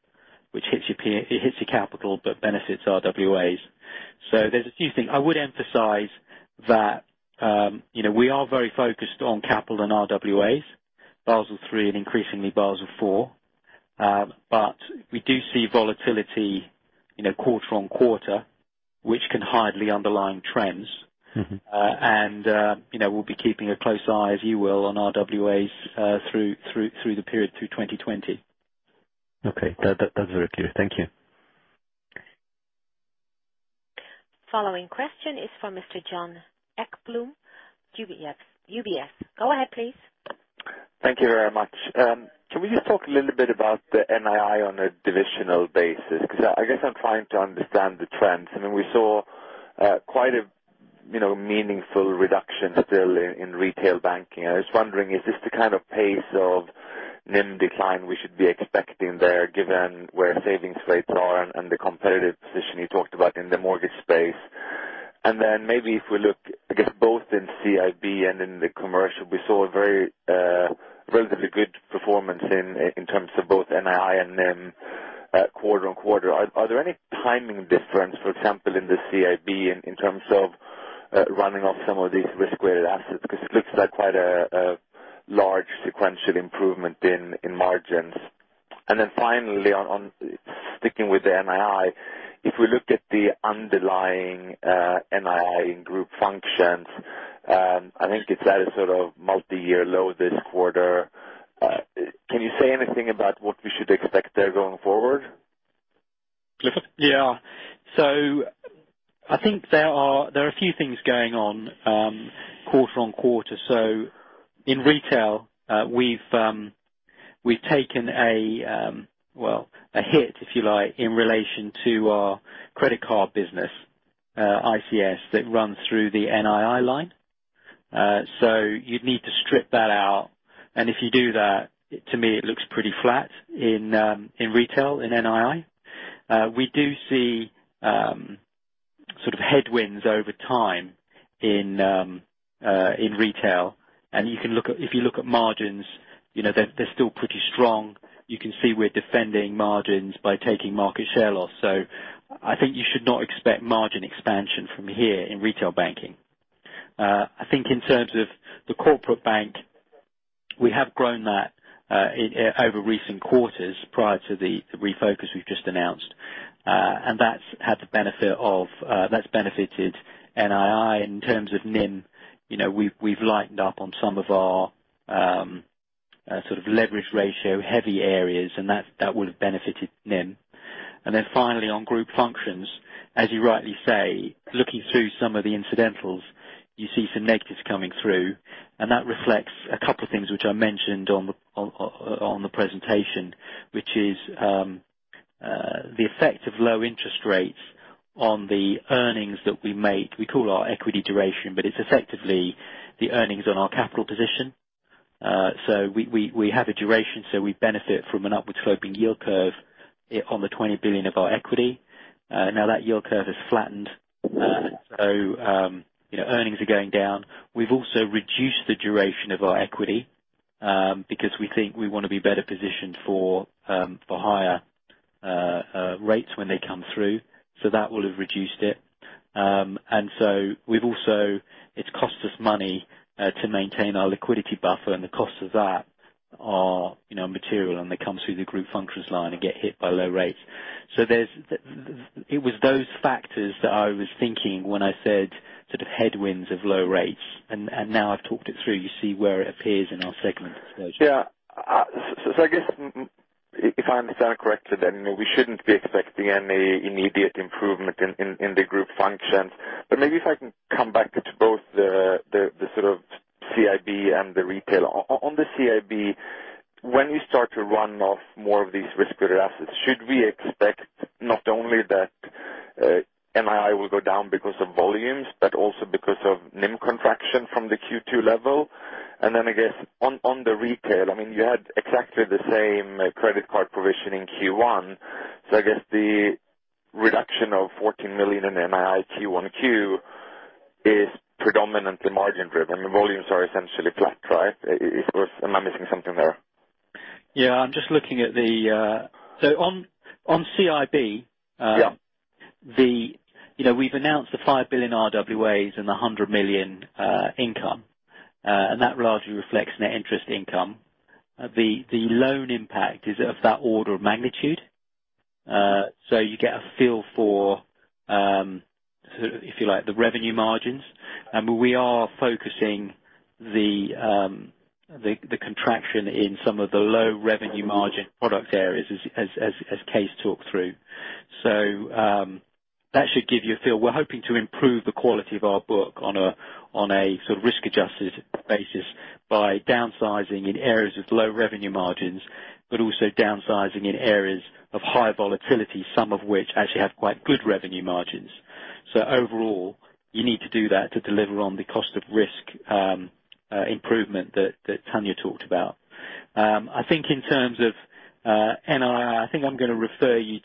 which hits your capital but benefits RWAs. There's a few things. I would emphasize that we are very focused on capital and RWAs. Basel III and increasingly Basel IV. We do see volatility quarter on quarter, which can hide the underlying trends. We'll be keeping a close eye, as you will, on RWAs through the period through 2020. Okay. That's very clear. Thank you. Following question is from Mr. Johan Ekblom, UBS. Go ahead, please. Thank you very much. Can we just talk a little bit about the NII on a divisional basis? I guess I'm trying to understand the trends. We saw quite a meaningful reduction still in retail banking. I was wondering, is this the kind of pace of NIM decline we should be expecting there, given where savings rates are and the competitive position you talked about in the mortgage space? Then maybe if we look, I guess both in CIB and in the commercial, we saw a relatively good performance in terms of both NII and NIM quarter-on-quarter. Are there any timing difference, for example, in the CIB in terms of running off some of these risk-weighted assets? It looks like quite a large sequential improvement in margins. Finally on sticking with the NII, if we looked at the underlying NII in group functions, I think it's at a sort of multi-year low this quarter. Can you say anything about what we should expect there going forward? Clifford? Yeah. I think there are a few things going on quarter-on-quarter. In retail, we've taken a hit, if you like, in relation to our credit card business, ICS, that runs through the NII line. You'd need to strip that out, and if you do that, to me it looks pretty flat in retail, in NII. We do see sort of headwinds over time in retail, and if you look at margins, they're still pretty strong. You can see we're defending margins by taking market share loss. I think you should not expect margin expansion from here in retail banking. I think in terms of the Corporate Bank, we have grown that over recent quarters prior to the refocus we've just announced. That's benefited NII. In terms of NIM, we've lightened up on some of our leverage ratio heavy areas, and that would have benefited NIM. Finally, on group functions, as you rightly say, looking through some of the incidentals, you see some negatives coming through. That reflects a couple of things which I mentioned on the presentation, which is the effect of low interest rates on the earnings that we make. We call it our equity duration, but it's effectively the earnings on our capital position. We have a duration, so we benefit from an upward-sloping yield curve on the 20 billion of our equity. Now that yield curve has flattened. Earnings are going down. We've also reduced the duration of our equity, because we think we want to be better positioned for higher rates when they come through. That will have reduced it. It's cost us money to maintain our liquidity buffer, and the costs of that are material, and they come through the group functions line and get hit by low rates. It was those factors that I was thinking when I said headwinds of low rates, and now I've talked it through, you see where it appears in our segment disclosure. Yeah. I guess if I understand correctly, then we shouldn't be expecting any immediate improvement in the group functions. Maybe if I can come back to both the CIB and the retail. On the CIB, when we start to run off more of these riskier assets, should we expect not only that NII will go down because of volumes, but also because of NIM contraction from the Q2 level? I guess on the retail, you had exactly the same credit card provision in Q1. I guess the reduction of 14 million in NII Q1Q is predominantly margin-driven. The volumes are essentially flat. Am I missing something there? Yeah. On CIB Yeah we've announced the 5 billion RWAs and the 100 million income. That largely reflects net interest income. The loan impact is of that order of magnitude. You get a feel for the revenue margins. We are focusing the contraction in some of the low revenue margin product areas as Kees talked through. That should give you a feel. We're hoping to improve the quality of our book on a risk-adjusted basis by downsizing in areas with low revenue margins, but also downsizing in areas of high volatility, some of which actually have quite good revenue margins. Overall, you need to do that to deliver on the cost of risk improvement that Tanja talked about. I think in terms of NII, I think I'm going to refer you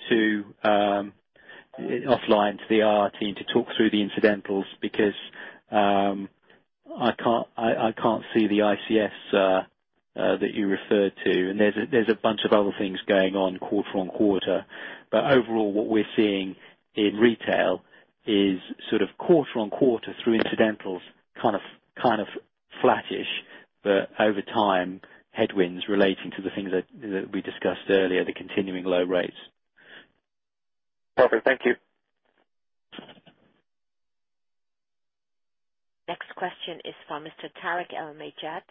offline to the IR team to talk through the incidentals, because I can't see the ICS that you referred to. There's a bunch of other things going on quarter-on-quarter. Overall, what we're seeing in retail is quarter-on-quarter through incidentals, kind of flattish, but over time, headwinds relating to the things that we discussed earlier, the continuing low rates. Perfect. Thank you. Next question is from Mr. Tarik El Mejjad,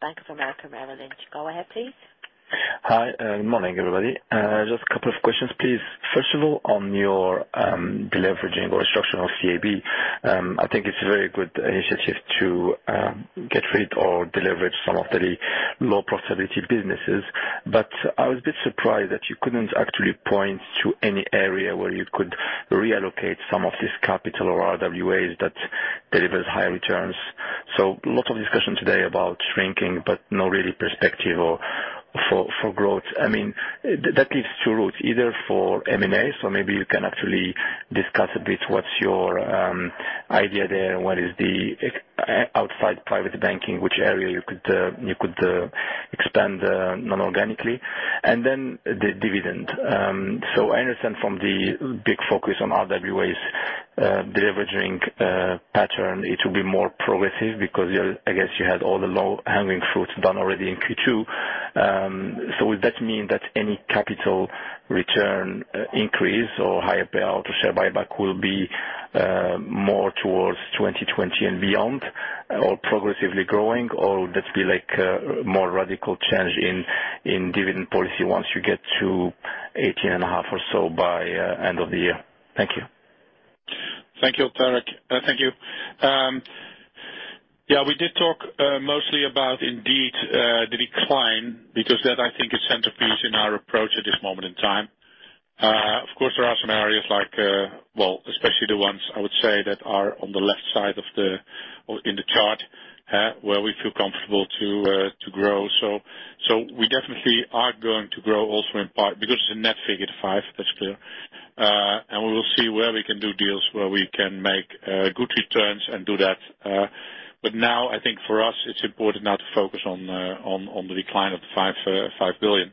Bank of America Merrill Lynch. Go ahead, please. Hi. Good morning, everybody. Just a couple of questions, please. First of all, on your deleveraging or structural CIB. I think it's a very good initiative to get rid or deleverage some of the low profitability businesses. I was a bit surprised that you couldn't actually point to any area where you could reallocate some of this capital or RWAs that delivers high returns. A lot of discussion today about shrinking, but no really perspective for growth. That leaves two routes, either for M&A. Maybe you can actually discuss a bit what's your idea there and what is the outside private banking, which area you could expand non-organically. The dividend. I understand from the big focus on RWAs deleveraging pattern, it will be more progressive because I guess you had all the low-hanging fruit done already in Q2. Would that mean that any capital return increase or higher payout or share buyback will be more towards 2020 and beyond, or progressively growing, or that be like a more radical change in dividend policy once you get to 18.5 or so by end of the year? Thank you. Thank you, Tarik. We did talk mostly about indeed the decline because that I think is centerpiece in our approach at this moment in time. Of course, there are some areas like, especially the ones I would say that are on the left side in the chart, where we feel comfortable to grow. We definitely are going to grow also in part because it's a net figure five, that's clear. We will see where we can do deals where we can make good returns and do that Now, I think for us, it's important now to focus on the decline of the EUR 5 billion.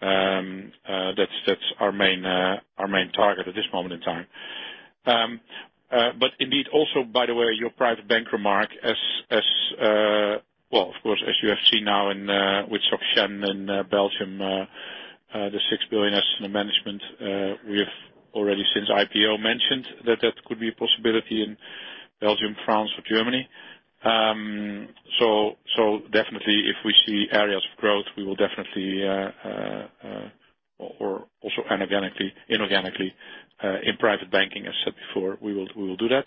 That's our main target at this moment in time. Indeed, also, by the way, your private bank remark, of course, as you have seen now with Société Générale in Belgium, the 6 billion asset management, we have already, since IPO, mentioned that that could be a possibility in Belgium, France, or Germany. Definitely, if we see areas of growth, we will definitely or also inorganically in private banking, as said before, we will do that.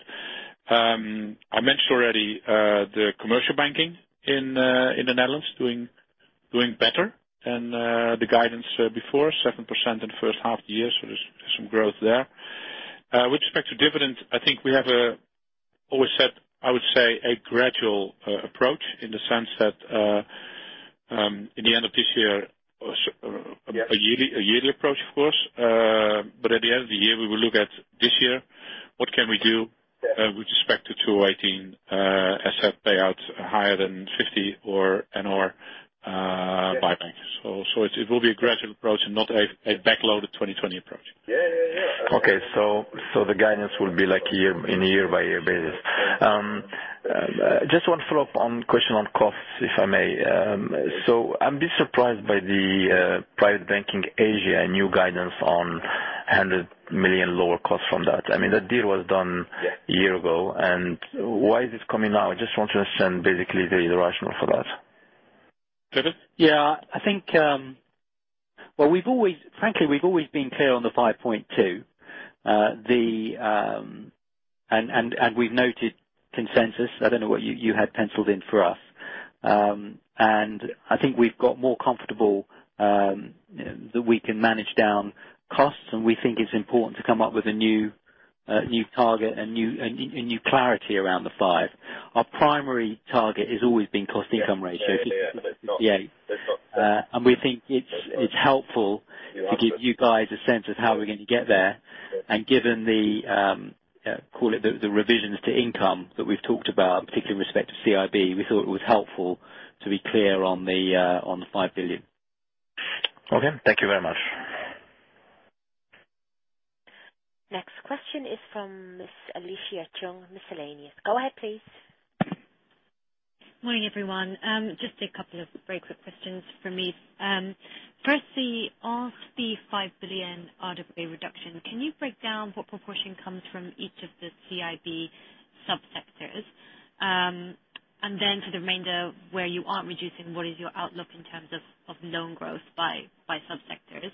I mentioned already the commercial banking in the Netherlands doing better than the guidance before, 7% in the first half of the year, there's some growth there. With respect to dividend, I think we have always set, I would say, a gradual approach in the sense that in the end of this year. A yearly approach, of course. At the end of the year, we will look at this year, what can we do with respect to 2018, asset payouts higher than 50% or, and/or buybacks. It will be a gradual approach and not a backloaded 2020 approach. Yeah. Okay. The guidance will be like in a year-by-year basis. Just one follow-up question on costs, if I may. I'm a bit surprised by the Private Banking Asia new guidance on 100 million lower cost from that. I mean, that deal was done a year ago. Why is this coming now? I just want to understand basically the rationale for that. Clifford? Frankly, we've always been clear on the 5.2, and we've noted consensus. I don't know what you had penciled in for us. I think we've got more comfortable that we can manage down costs, and we think it's important to come up with a new target and new clarity around the 5. Our primary target has always been cost-income ratio. Yeah. We think it's helpful to give you guys a sense of how we're going to get there. Given the, call it, the revisions to income that we've talked about, particularly with respect to CIB, we thought it was helpful to be clear on the 5 billion. Okay. Thank you very much. Next question is from Miss Alicia Cheung, Miscellaneous. Go ahead, please. Morning, everyone. Just a couple of very quick questions from me. Firstly, on the 5 billion RWA reduction, can you break down what proportion comes from each of the CIB subsectors? Then for the remainder where you aren't reducing, what is your outlook in terms of loan growth by subsectors,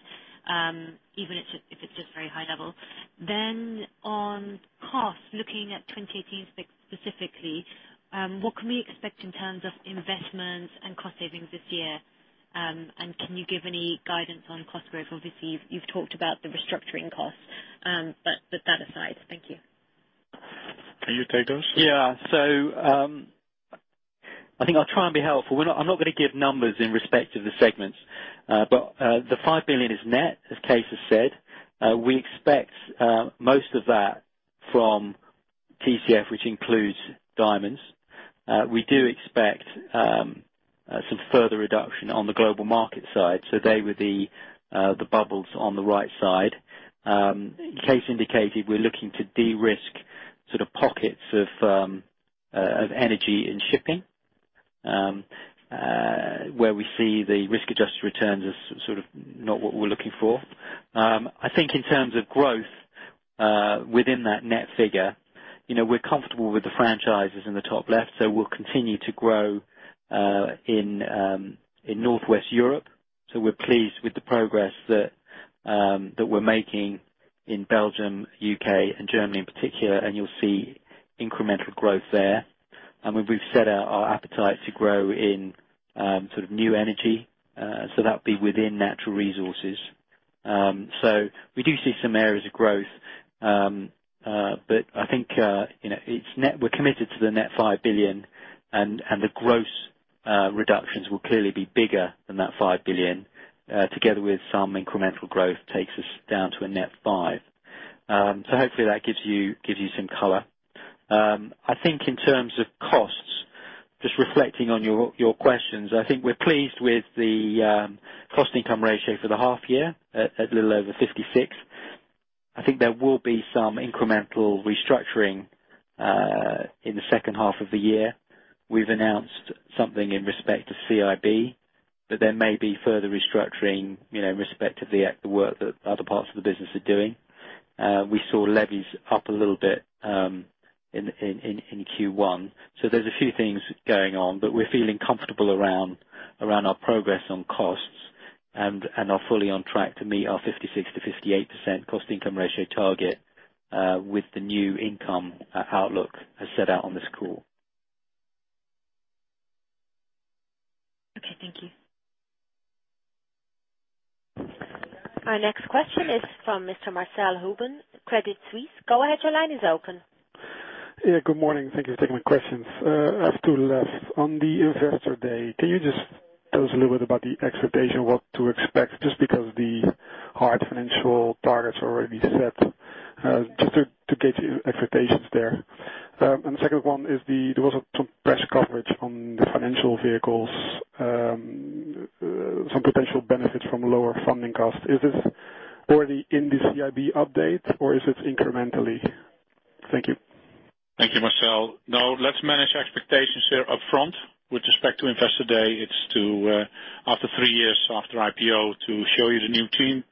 even if it's just very high level. Then on costs, looking at 2018 specifically, what can we expect in terms of investments and cost savings this year? Can you give any guidance on cost growth? Obviously, you've talked about the restructuring costs, but that aside. Thank you. Can you take those? Yeah. I think I'll try and be helpful. I'm not going to give numbers in respect to the segments, but the 5 billion is net, as Kees has said. We expect most of that from TCF, which includes diamonds. We do expect some further reduction on the Global Markets side, so they would be the bubbles on the right side. Kees indicated we're looking to de-risk pockets of energy in shipping, where we see the risk-adjusted returns as not what we're looking for. I think in terms of growth within that net figure, we're comfortable with the franchises in the top left, so we'll continue to grow in Northwest Europe. We're pleased with the progress that we're making in Belgium, U.K., and Germany in particular, and you'll see incremental growth there. We've set out our appetite to grow in new energy, that would be within natural resources. We do see some areas of growth. I think we're committed to the net 5 billion, and the gross reductions will clearly be bigger than that 5 billion, together with some incremental growth takes us down to a net five. Hopefully, that gives you some color. I think in terms of costs, just reflecting on your questions, I think we're pleased with the cost income ratio for the half year at a little over 56. I think there will be some incremental restructuring in the second half of the year. We've announced something in respect to CIB, but there may be further restructuring in respect of the work that other parts of the business are doing. We saw levies up a little bit in Q1. There's a few things going on, but we're feeling comfortable around our progress on costs and are fully on track to meet our 56%-58% cost income ratio target with the new income outlook as set out on this call. Okay. Thank you. Our next question is from Mr. Marcel Huben, Credit Suisse. Go ahead, your line is open. Yeah, good morning. Thank you for taking my questions. I have two left. On the investor day, can you just tells a little bit about the expectation, what to expect, just because the hard financial targets are already set. Just to gauge the expectations there. The second one is, there was some press coverage on the financial vehicles, some potential benefits from lower funding costs. Is this already in the CIB update or is this incrementally? Thank you. Thank you, Marcel. Let's manage expectations here upfront. With respect to investor day, it's to after 3 years after IPO, to show you the new team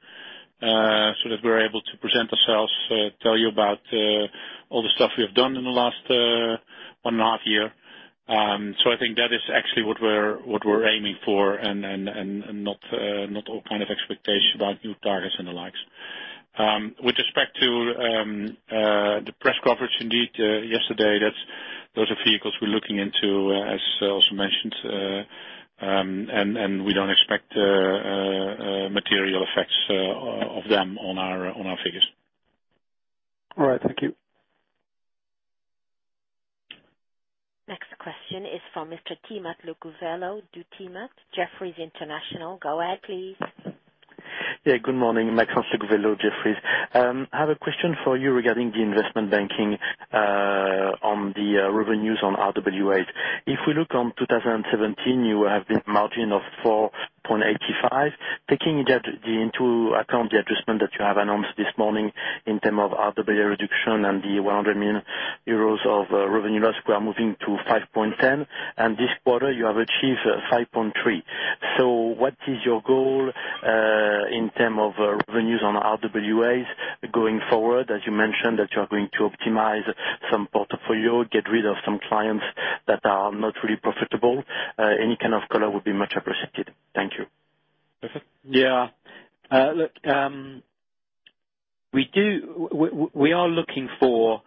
so that we're able to present ourselves, tell you about all the stuff we have done in the last one and a half year. I think that is actually what we're aiming for and not all kind of expectations about new targets and the likes. With respect to the press coverage, indeed, yesterday, those are vehicles we're looking into, as I also mentioned, and we don't expect material effects of them on our figures. All right. Thank you. Next question is for Mr. Maxime Le Gouvello du Timat, Jefferies International. Go ahead, please. Yeah, good morning. Maxime Le Gouvello, Jefferies. I have a question for you regarding the investment banking on the revenues on RWAs. If we look on 2017, you have the margin of 4.85. Taking into account the adjustment that you have announced this morning in term of RWA reduction and the 100 million euros of revenue loss, we are moving to 5.10, and this quarter you have achieved 5.3. What is your goal in term of revenues on RWAs going forward? As you mentioned that you are going to optimize some portfolio, get rid of some clients that are not really profitable. Any kind of color would be much appreciated. Thank you. Richard? Yeah. Look, we are looking for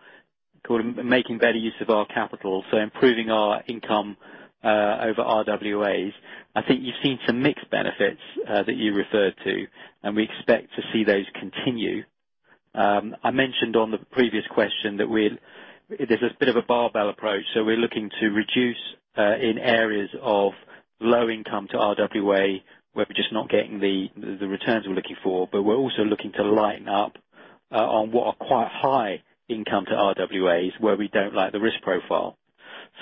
making better use of our capital, improving our income over RWAs. I think you've seen some mixed benefits that you referred to, We expect to see those continue. I mentioned on the previous question that there's a bit of a barbell approach. We're looking to reduce in areas of low income to RWA, where we're just not getting the returns we're looking for. We're also looking to line up on what are quite high income to RWAs, where we don't like the risk profile.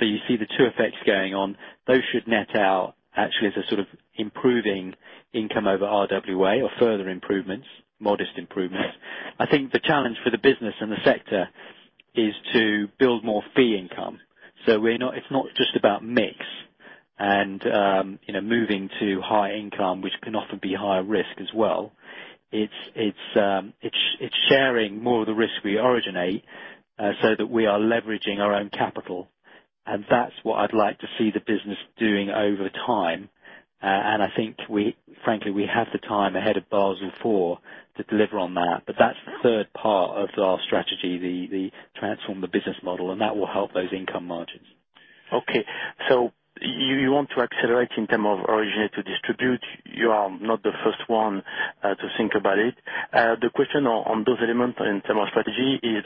You see the two effects going on. Those should net out actually as improving income over RWA or further improvements, modest improvements. I think the challenge for the business and the sector is to build more fee income. It's not just about mix and moving to high income, which can often be higher risk as well. It's sharing more of the risk we originate so that we are leveraging our own capital, and that's what I'd like to see the business doing over time. I think, frankly, we have the time ahead of Basel IV to deliver on that. That's the third part of our strategy, the transform the business model, and that will help those income margins. Okay. You want to accelerate in terms of originate to distribute. You are not the first one to think about it. The question on those elements in terms of strategy is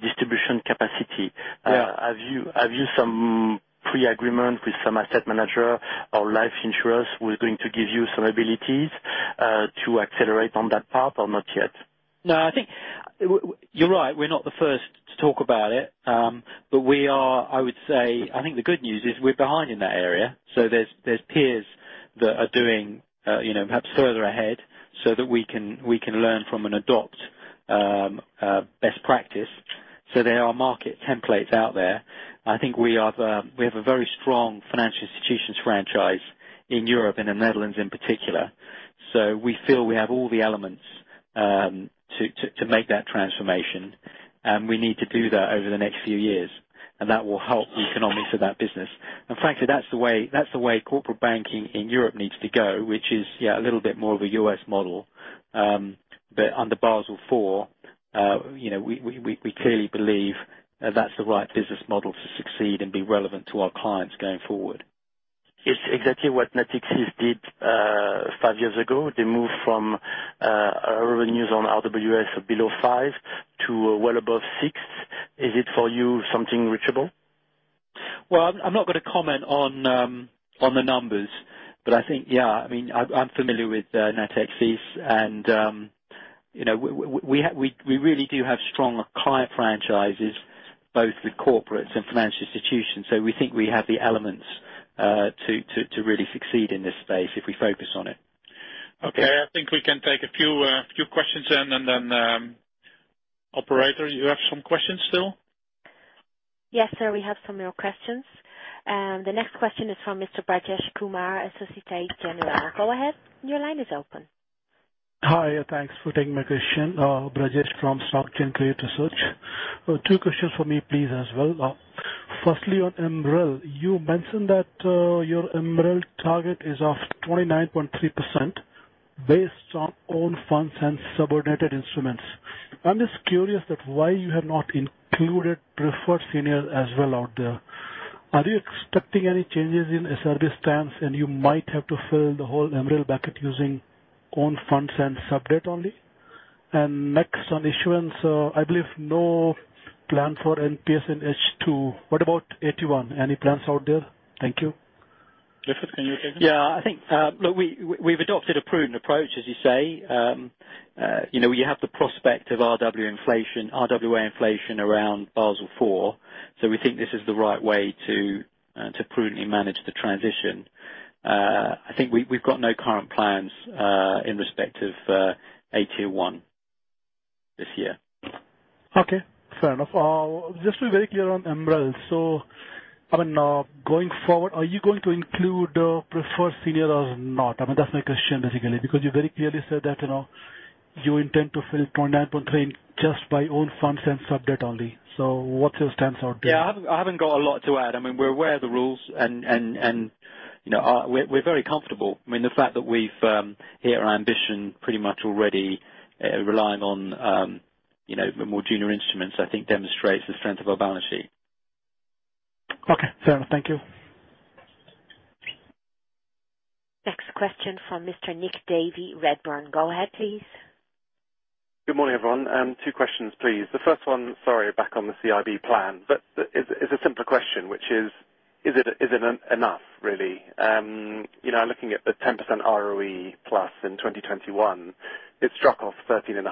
distribution capacity. Yeah. Have you some pre-agreement with some asset manager or life insurers who are going to give you some abilities to accelerate on that path or not yet? No, I think you're right, we're not the first to talk about it. I think the good news is we're behind in that area, there's peers that are doing perhaps further ahead so that we can learn from and adopt best practice. There are market templates out there. I think we have a very strong financial institutions franchise in Europe and the Netherlands in particular. We feel we have all the elements to make that transformation. We need to do that over the next few years, and that will help the economics of that business. Frankly, that's the way corporate banking in Europe needs to go, which is, yeah, a little bit more of a U.S. model. Under Basel IV, we clearly believe that's the right business model to succeed and be relevant to our clients going forward. It's exactly what Natixis did five years ago. They moved from revenues on RWAs below five to well above six. Is it for you something reachable? Well, I'm not going to comment on the numbers, but I think, yeah. I'm familiar with Natixis. We really do have strong client franchises, both with corporates and financial institutions. We think we have the elements to really succeed in this space if we focus on it. Okay. I think we can take a few questions in. Operator, you have some questions still? Yes, sir. We have some more questions. The next question is from Mr. Brajesh Kumar, Societe Generale. Go ahead. Your line is open. Hi. Thanks for taking my question. Brajesh from SocGen Credit Research. Two questions for me, please, as well. Firstly, on MREL, you mentioned that your MREL target is of 29.3% based on own funds and subordinated instruments. I'm just curious that why you have not included preferred senior as well out there. Are you expecting any changes in SRB stance and you might have to fill the whole MREL bucket using own funds and subordinated only? Next on issuance. I believe no plan for NPS in H2. What about AT1? Any plans out there? Thank you. Clifford, can you take it? Yeah. We've adopted a prudent approach, as you say. You have the prospect of RWA inflation around Basel IV, so we think this is the right way to prudently manage the transition. I think we've got no current plans in respect of AT1 this year. Okay. Fair enough. Just to be very clear on MREL. Going forward, are you going to include preferred seniors or not? That's my question, basically. Because you very clearly said that you intend to fill 29.3% just by own funds and subordinated only. What's your stance out there? Yeah. I haven't got a lot to add. We're aware of the rules, and we're very comfortable. The fact that we've hit our ambition pretty much already, relying on the more junior instruments, I think demonstrates the strength of our balance sheet. Okay. Fair enough. Thank you. Next question from Mr. Nick Davey, Redburn. Go ahead, please. Good morning, everyone. Two questions, please. The first one, sorry, back on the CIB plan, but it's a simpler question, which is: Is it enough, really? I'm looking at the 10% ROE plus in 2021. It struck off 13.5%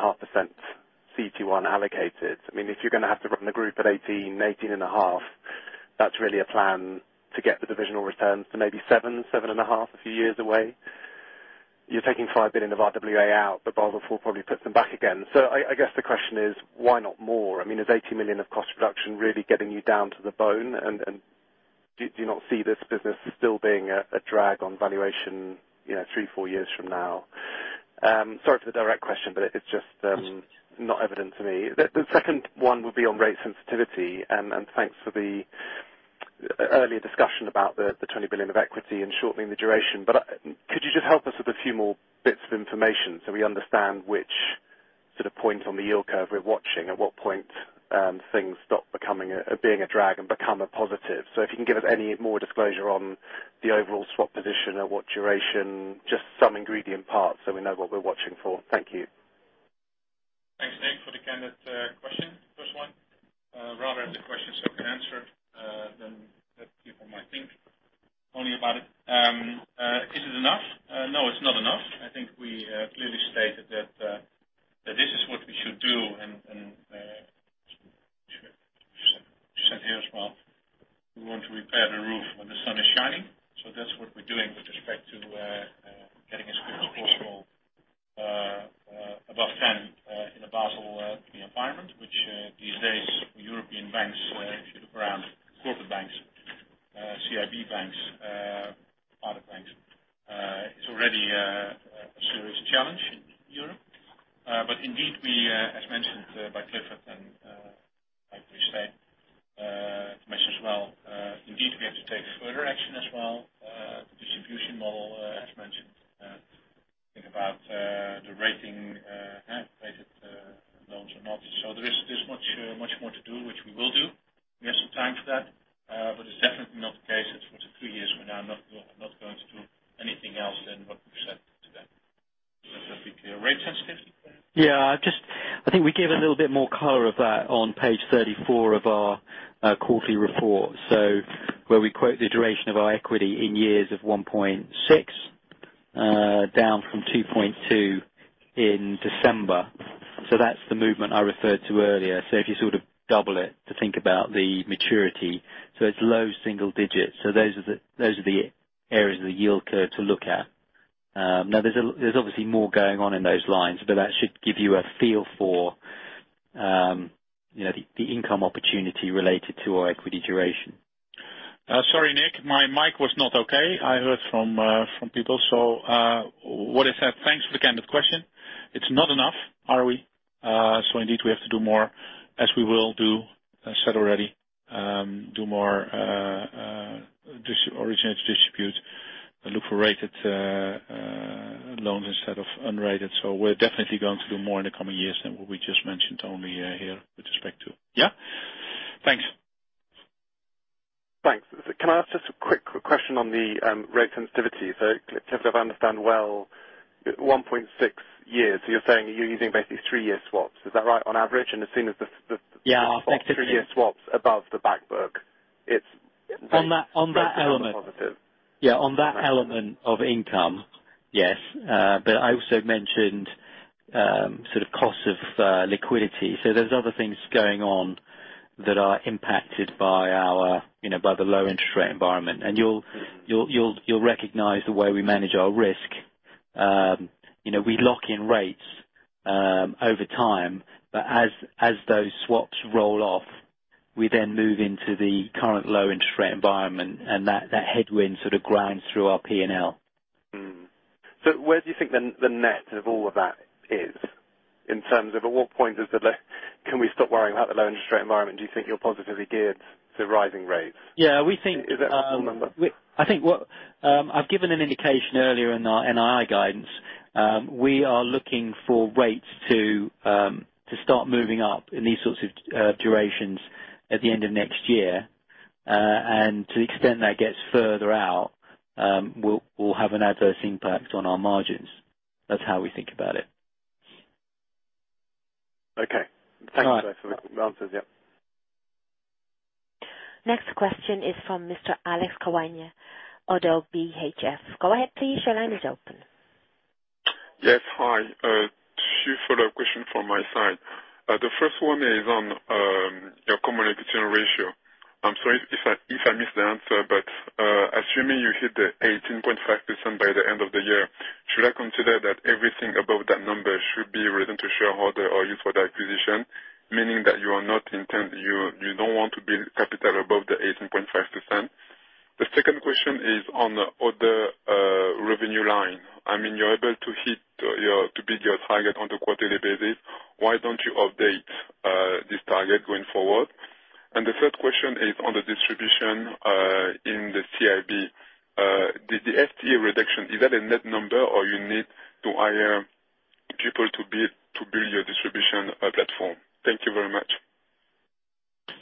CET1 allocated. If you're going to have to run the group at 18%, 18.5%, that's really a plan to get the divisional returns to maybe 7%, 7.5% a few years away. You're taking 5 billion of RWA out, but Basel IV probably puts them back again. I guess the question is: Why not more? Is 80 million of cost reduction really getting you down to the bone? Do you not see this business still being a drag on valuation three, four years from now? Sorry for the direct question, but it's just not evident to me. The second one will be on rate sensitivity. Thanks for the earlier discussion about the 20 billion of equity and shortening the duration. Could you just help us with a few more bits of information so we understand which point on the yield curve we're watching, at what point things stop being a drag and become a positive? If you can give us any more disclosure on the overall swap position, at what duration, just some ingredient parts so we know what we're watching for. Thank you. Thanks, Nick, for the candid question. First one. Rather the question is already answered than let people might think only about it. Is it enough? No, it's not enough. I think we clearly stated that this is what we should do, and it's said here as well. We want to repair the roof when the sun is shining. That's what we're doing with respect to getting as quick as possible above 10 in a Basel III environment, which these days for European banks, if you look around corporate banks CIB banks, other banks it's already a serious challenge in Europe. Indeed, as mentioned by Clifford, and I appreciate Clifford as well indeed, we have to take further action as well. Distribution model as mentioned. Think about the rating, rated loans or not. There's much more to do, which we will do. We have some time for that. It's definitely not the case that for the three years we're now not going to do anything else than what we said today. Does that sound clear? Rate sensitivity? I think we gave a little bit more color of that on page 34 of our quarterly report. Where we quote the duration of our equity in years of 1.6, down from 2.2 in December. That's the movement I referred to earlier. If you double it to think about the maturity, it's low single digits. Those are the areas of the yield curve to look at. There's obviously more going on in those lines, but that should give you a feel for the income opportunity related to our equity duration. Sorry, Nick. My mic was not okay. I heard from people. What I said, thanks for the candid question. It's not enough, ROE. Indeed, we have to do more, as we will do, I said already. Do more originate to distribute, look for rated loans instead of unrated. We're definitely going to do more in the coming years than what we just mentioned only here with respect to. Yeah. Thanks. Thanks. Can I ask just a quick question on the rate sensitivity. Clifford, if I understand well, 1.6 years. You're saying that you're using basically three-year swaps. Is that right on average? As soon as the- Yeah. Three-year swaps above the back book, it's- On that element. Very positive. Yeah. On that element of income, yes. I also mentioned cost of liquidity. There's other things going on that are impacted by the low interest rate environment. You'll recognize the way we manage our risk. We lock in rates over time, but as those swaps roll off, we then move into the current low interest rate environment, and that headwind grinds through our P&L. Mm-hmm. Where do you think the net of all of that is, in terms of at what point can we stop worrying about the low interest rate environment? Do you think you're positively geared to rising rates? Yeah. Is that a fair number? I've given an indication earlier in our NII guidance. We are looking for rates to start moving up in these sorts of durations at the end of next year. To the extent that gets further out, will have an adverse impact on our margins. That's how we think about it. Okay. Thank you for the answers. Yeah. Next question is from Mr. Albert Quaranta, ODDO BHF. Go ahead, please. Your line is open. Yes. Hi. Two follow-up questions from my side. The first one is on your Common Equity Tier 1 ratio. I'm sorry if I missed the answer, but assuming you hit the 18.5% by the end of the year, should I consider that everything above that number should be returned to shareholder or used for the acquisition, meaning that you don't want to build capital above the 18.5%? The second question is on the other revenue line. You're able to beat your target on a quarterly basis. Why don't you update this target going forward? The third question is on the distribution in the CIB. The FTE reduction, is that a net number or you need to hire people to build your distribution platform? Thank you very much.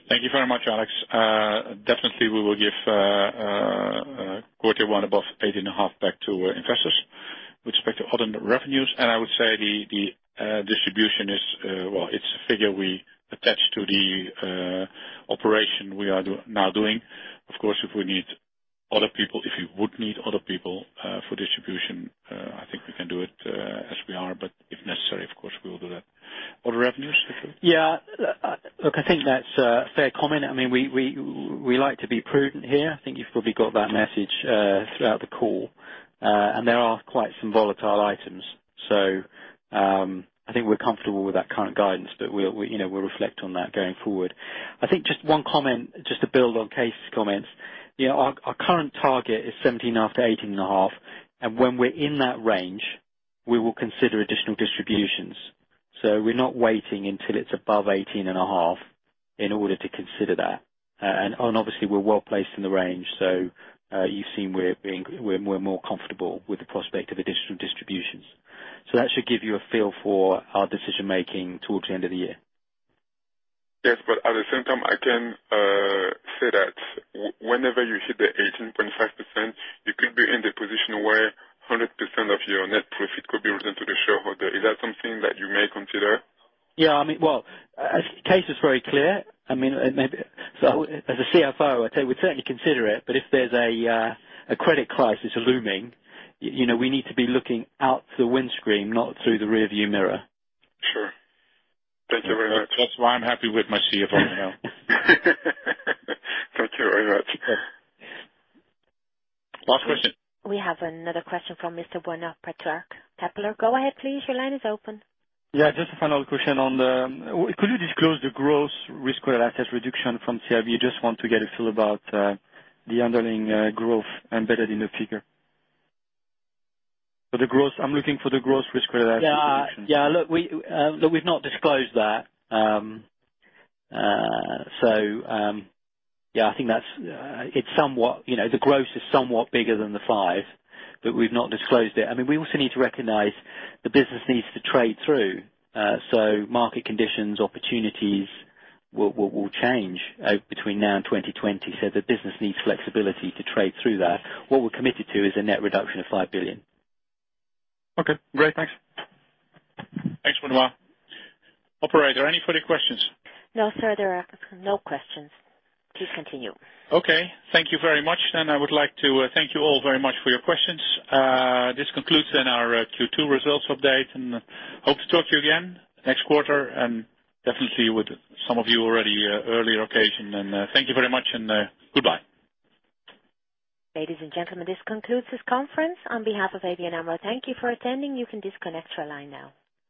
Thank you very much, Albert. Definitely, we will give Q1 above 18.5 back to investors. With respect to other revenues, I would say the distribution is, well, it's a figure we attach to the operation we are now doing. Of course, if we need other people, if we would need other people for distribution, I think we can do it as we are. If necessary, of course, we will do that. Other revenues, Clifford? Look, I think that's a fair comment. We like to be prudent here. I think you've probably got that message throughout the call. There are quite some volatile items. I think we're comfortable with that kind of guidance, but we'll reflect on that going forward. I think just one comment, just to build on Kees' comments. Our current target is 17 after 18.5. When we're in that range, we will consider additional distributions. We're not waiting until it's above 18.5 in order to consider that. Obviously, we're well-placed in the range, you've seen we're more comfortable with the prospect of additional distributions. That should give you a feel for our decision-making towards the end of the year. Yes, at the same time, I can say that whenever you hit the 18.5%, you could be in the position where 100% of your net profit could be returned to the shareholder. Is that something that you may consider? Yeah. Well, Kees is very clear. As a CFO, I would certainly consider it. If there's a credit crisis looming, we need to be looking out the windscreen, not through the rear view mirror. Sure. Thank you very much. That's why I'm happy with my CFO now. Thank you very much. Last question. We have another question from Mr. Benoit Petrarque, Kepler. Go ahead, please. Your line is open. Yeah, just a final question. Could you disclose the gross risk-weighted assets reduction from CIB? I just want to get a feel about the underlying growth embedded in the figure. I am looking for the gross risk-weighted assets reduction. Yeah. Look, we have not disclosed that. I think the gross is somewhat bigger than the 5, but we have not disclosed it. We also need to recognize the business needs to trade through. Market conditions, opportunities will change between now and 2020. The business needs flexibility to trade through that. What we are committed to is a net reduction of 5 billion. Okay, great. Thanks. Thanks, Benoit. Operator, any further questions? No, sir. There are no questions. Please continue. Okay. Thank you very much. I would like to thank you all very much for your questions. This concludes then our Q2 results update, and hope to talk to you again next quarter, and definitely with some of you already a earlier occasion. Thank you very much, and goodbye. Ladies and gentlemen, this concludes this conference. On behalf of ABN AMRO, thank you for attending. You can disconnect your line now.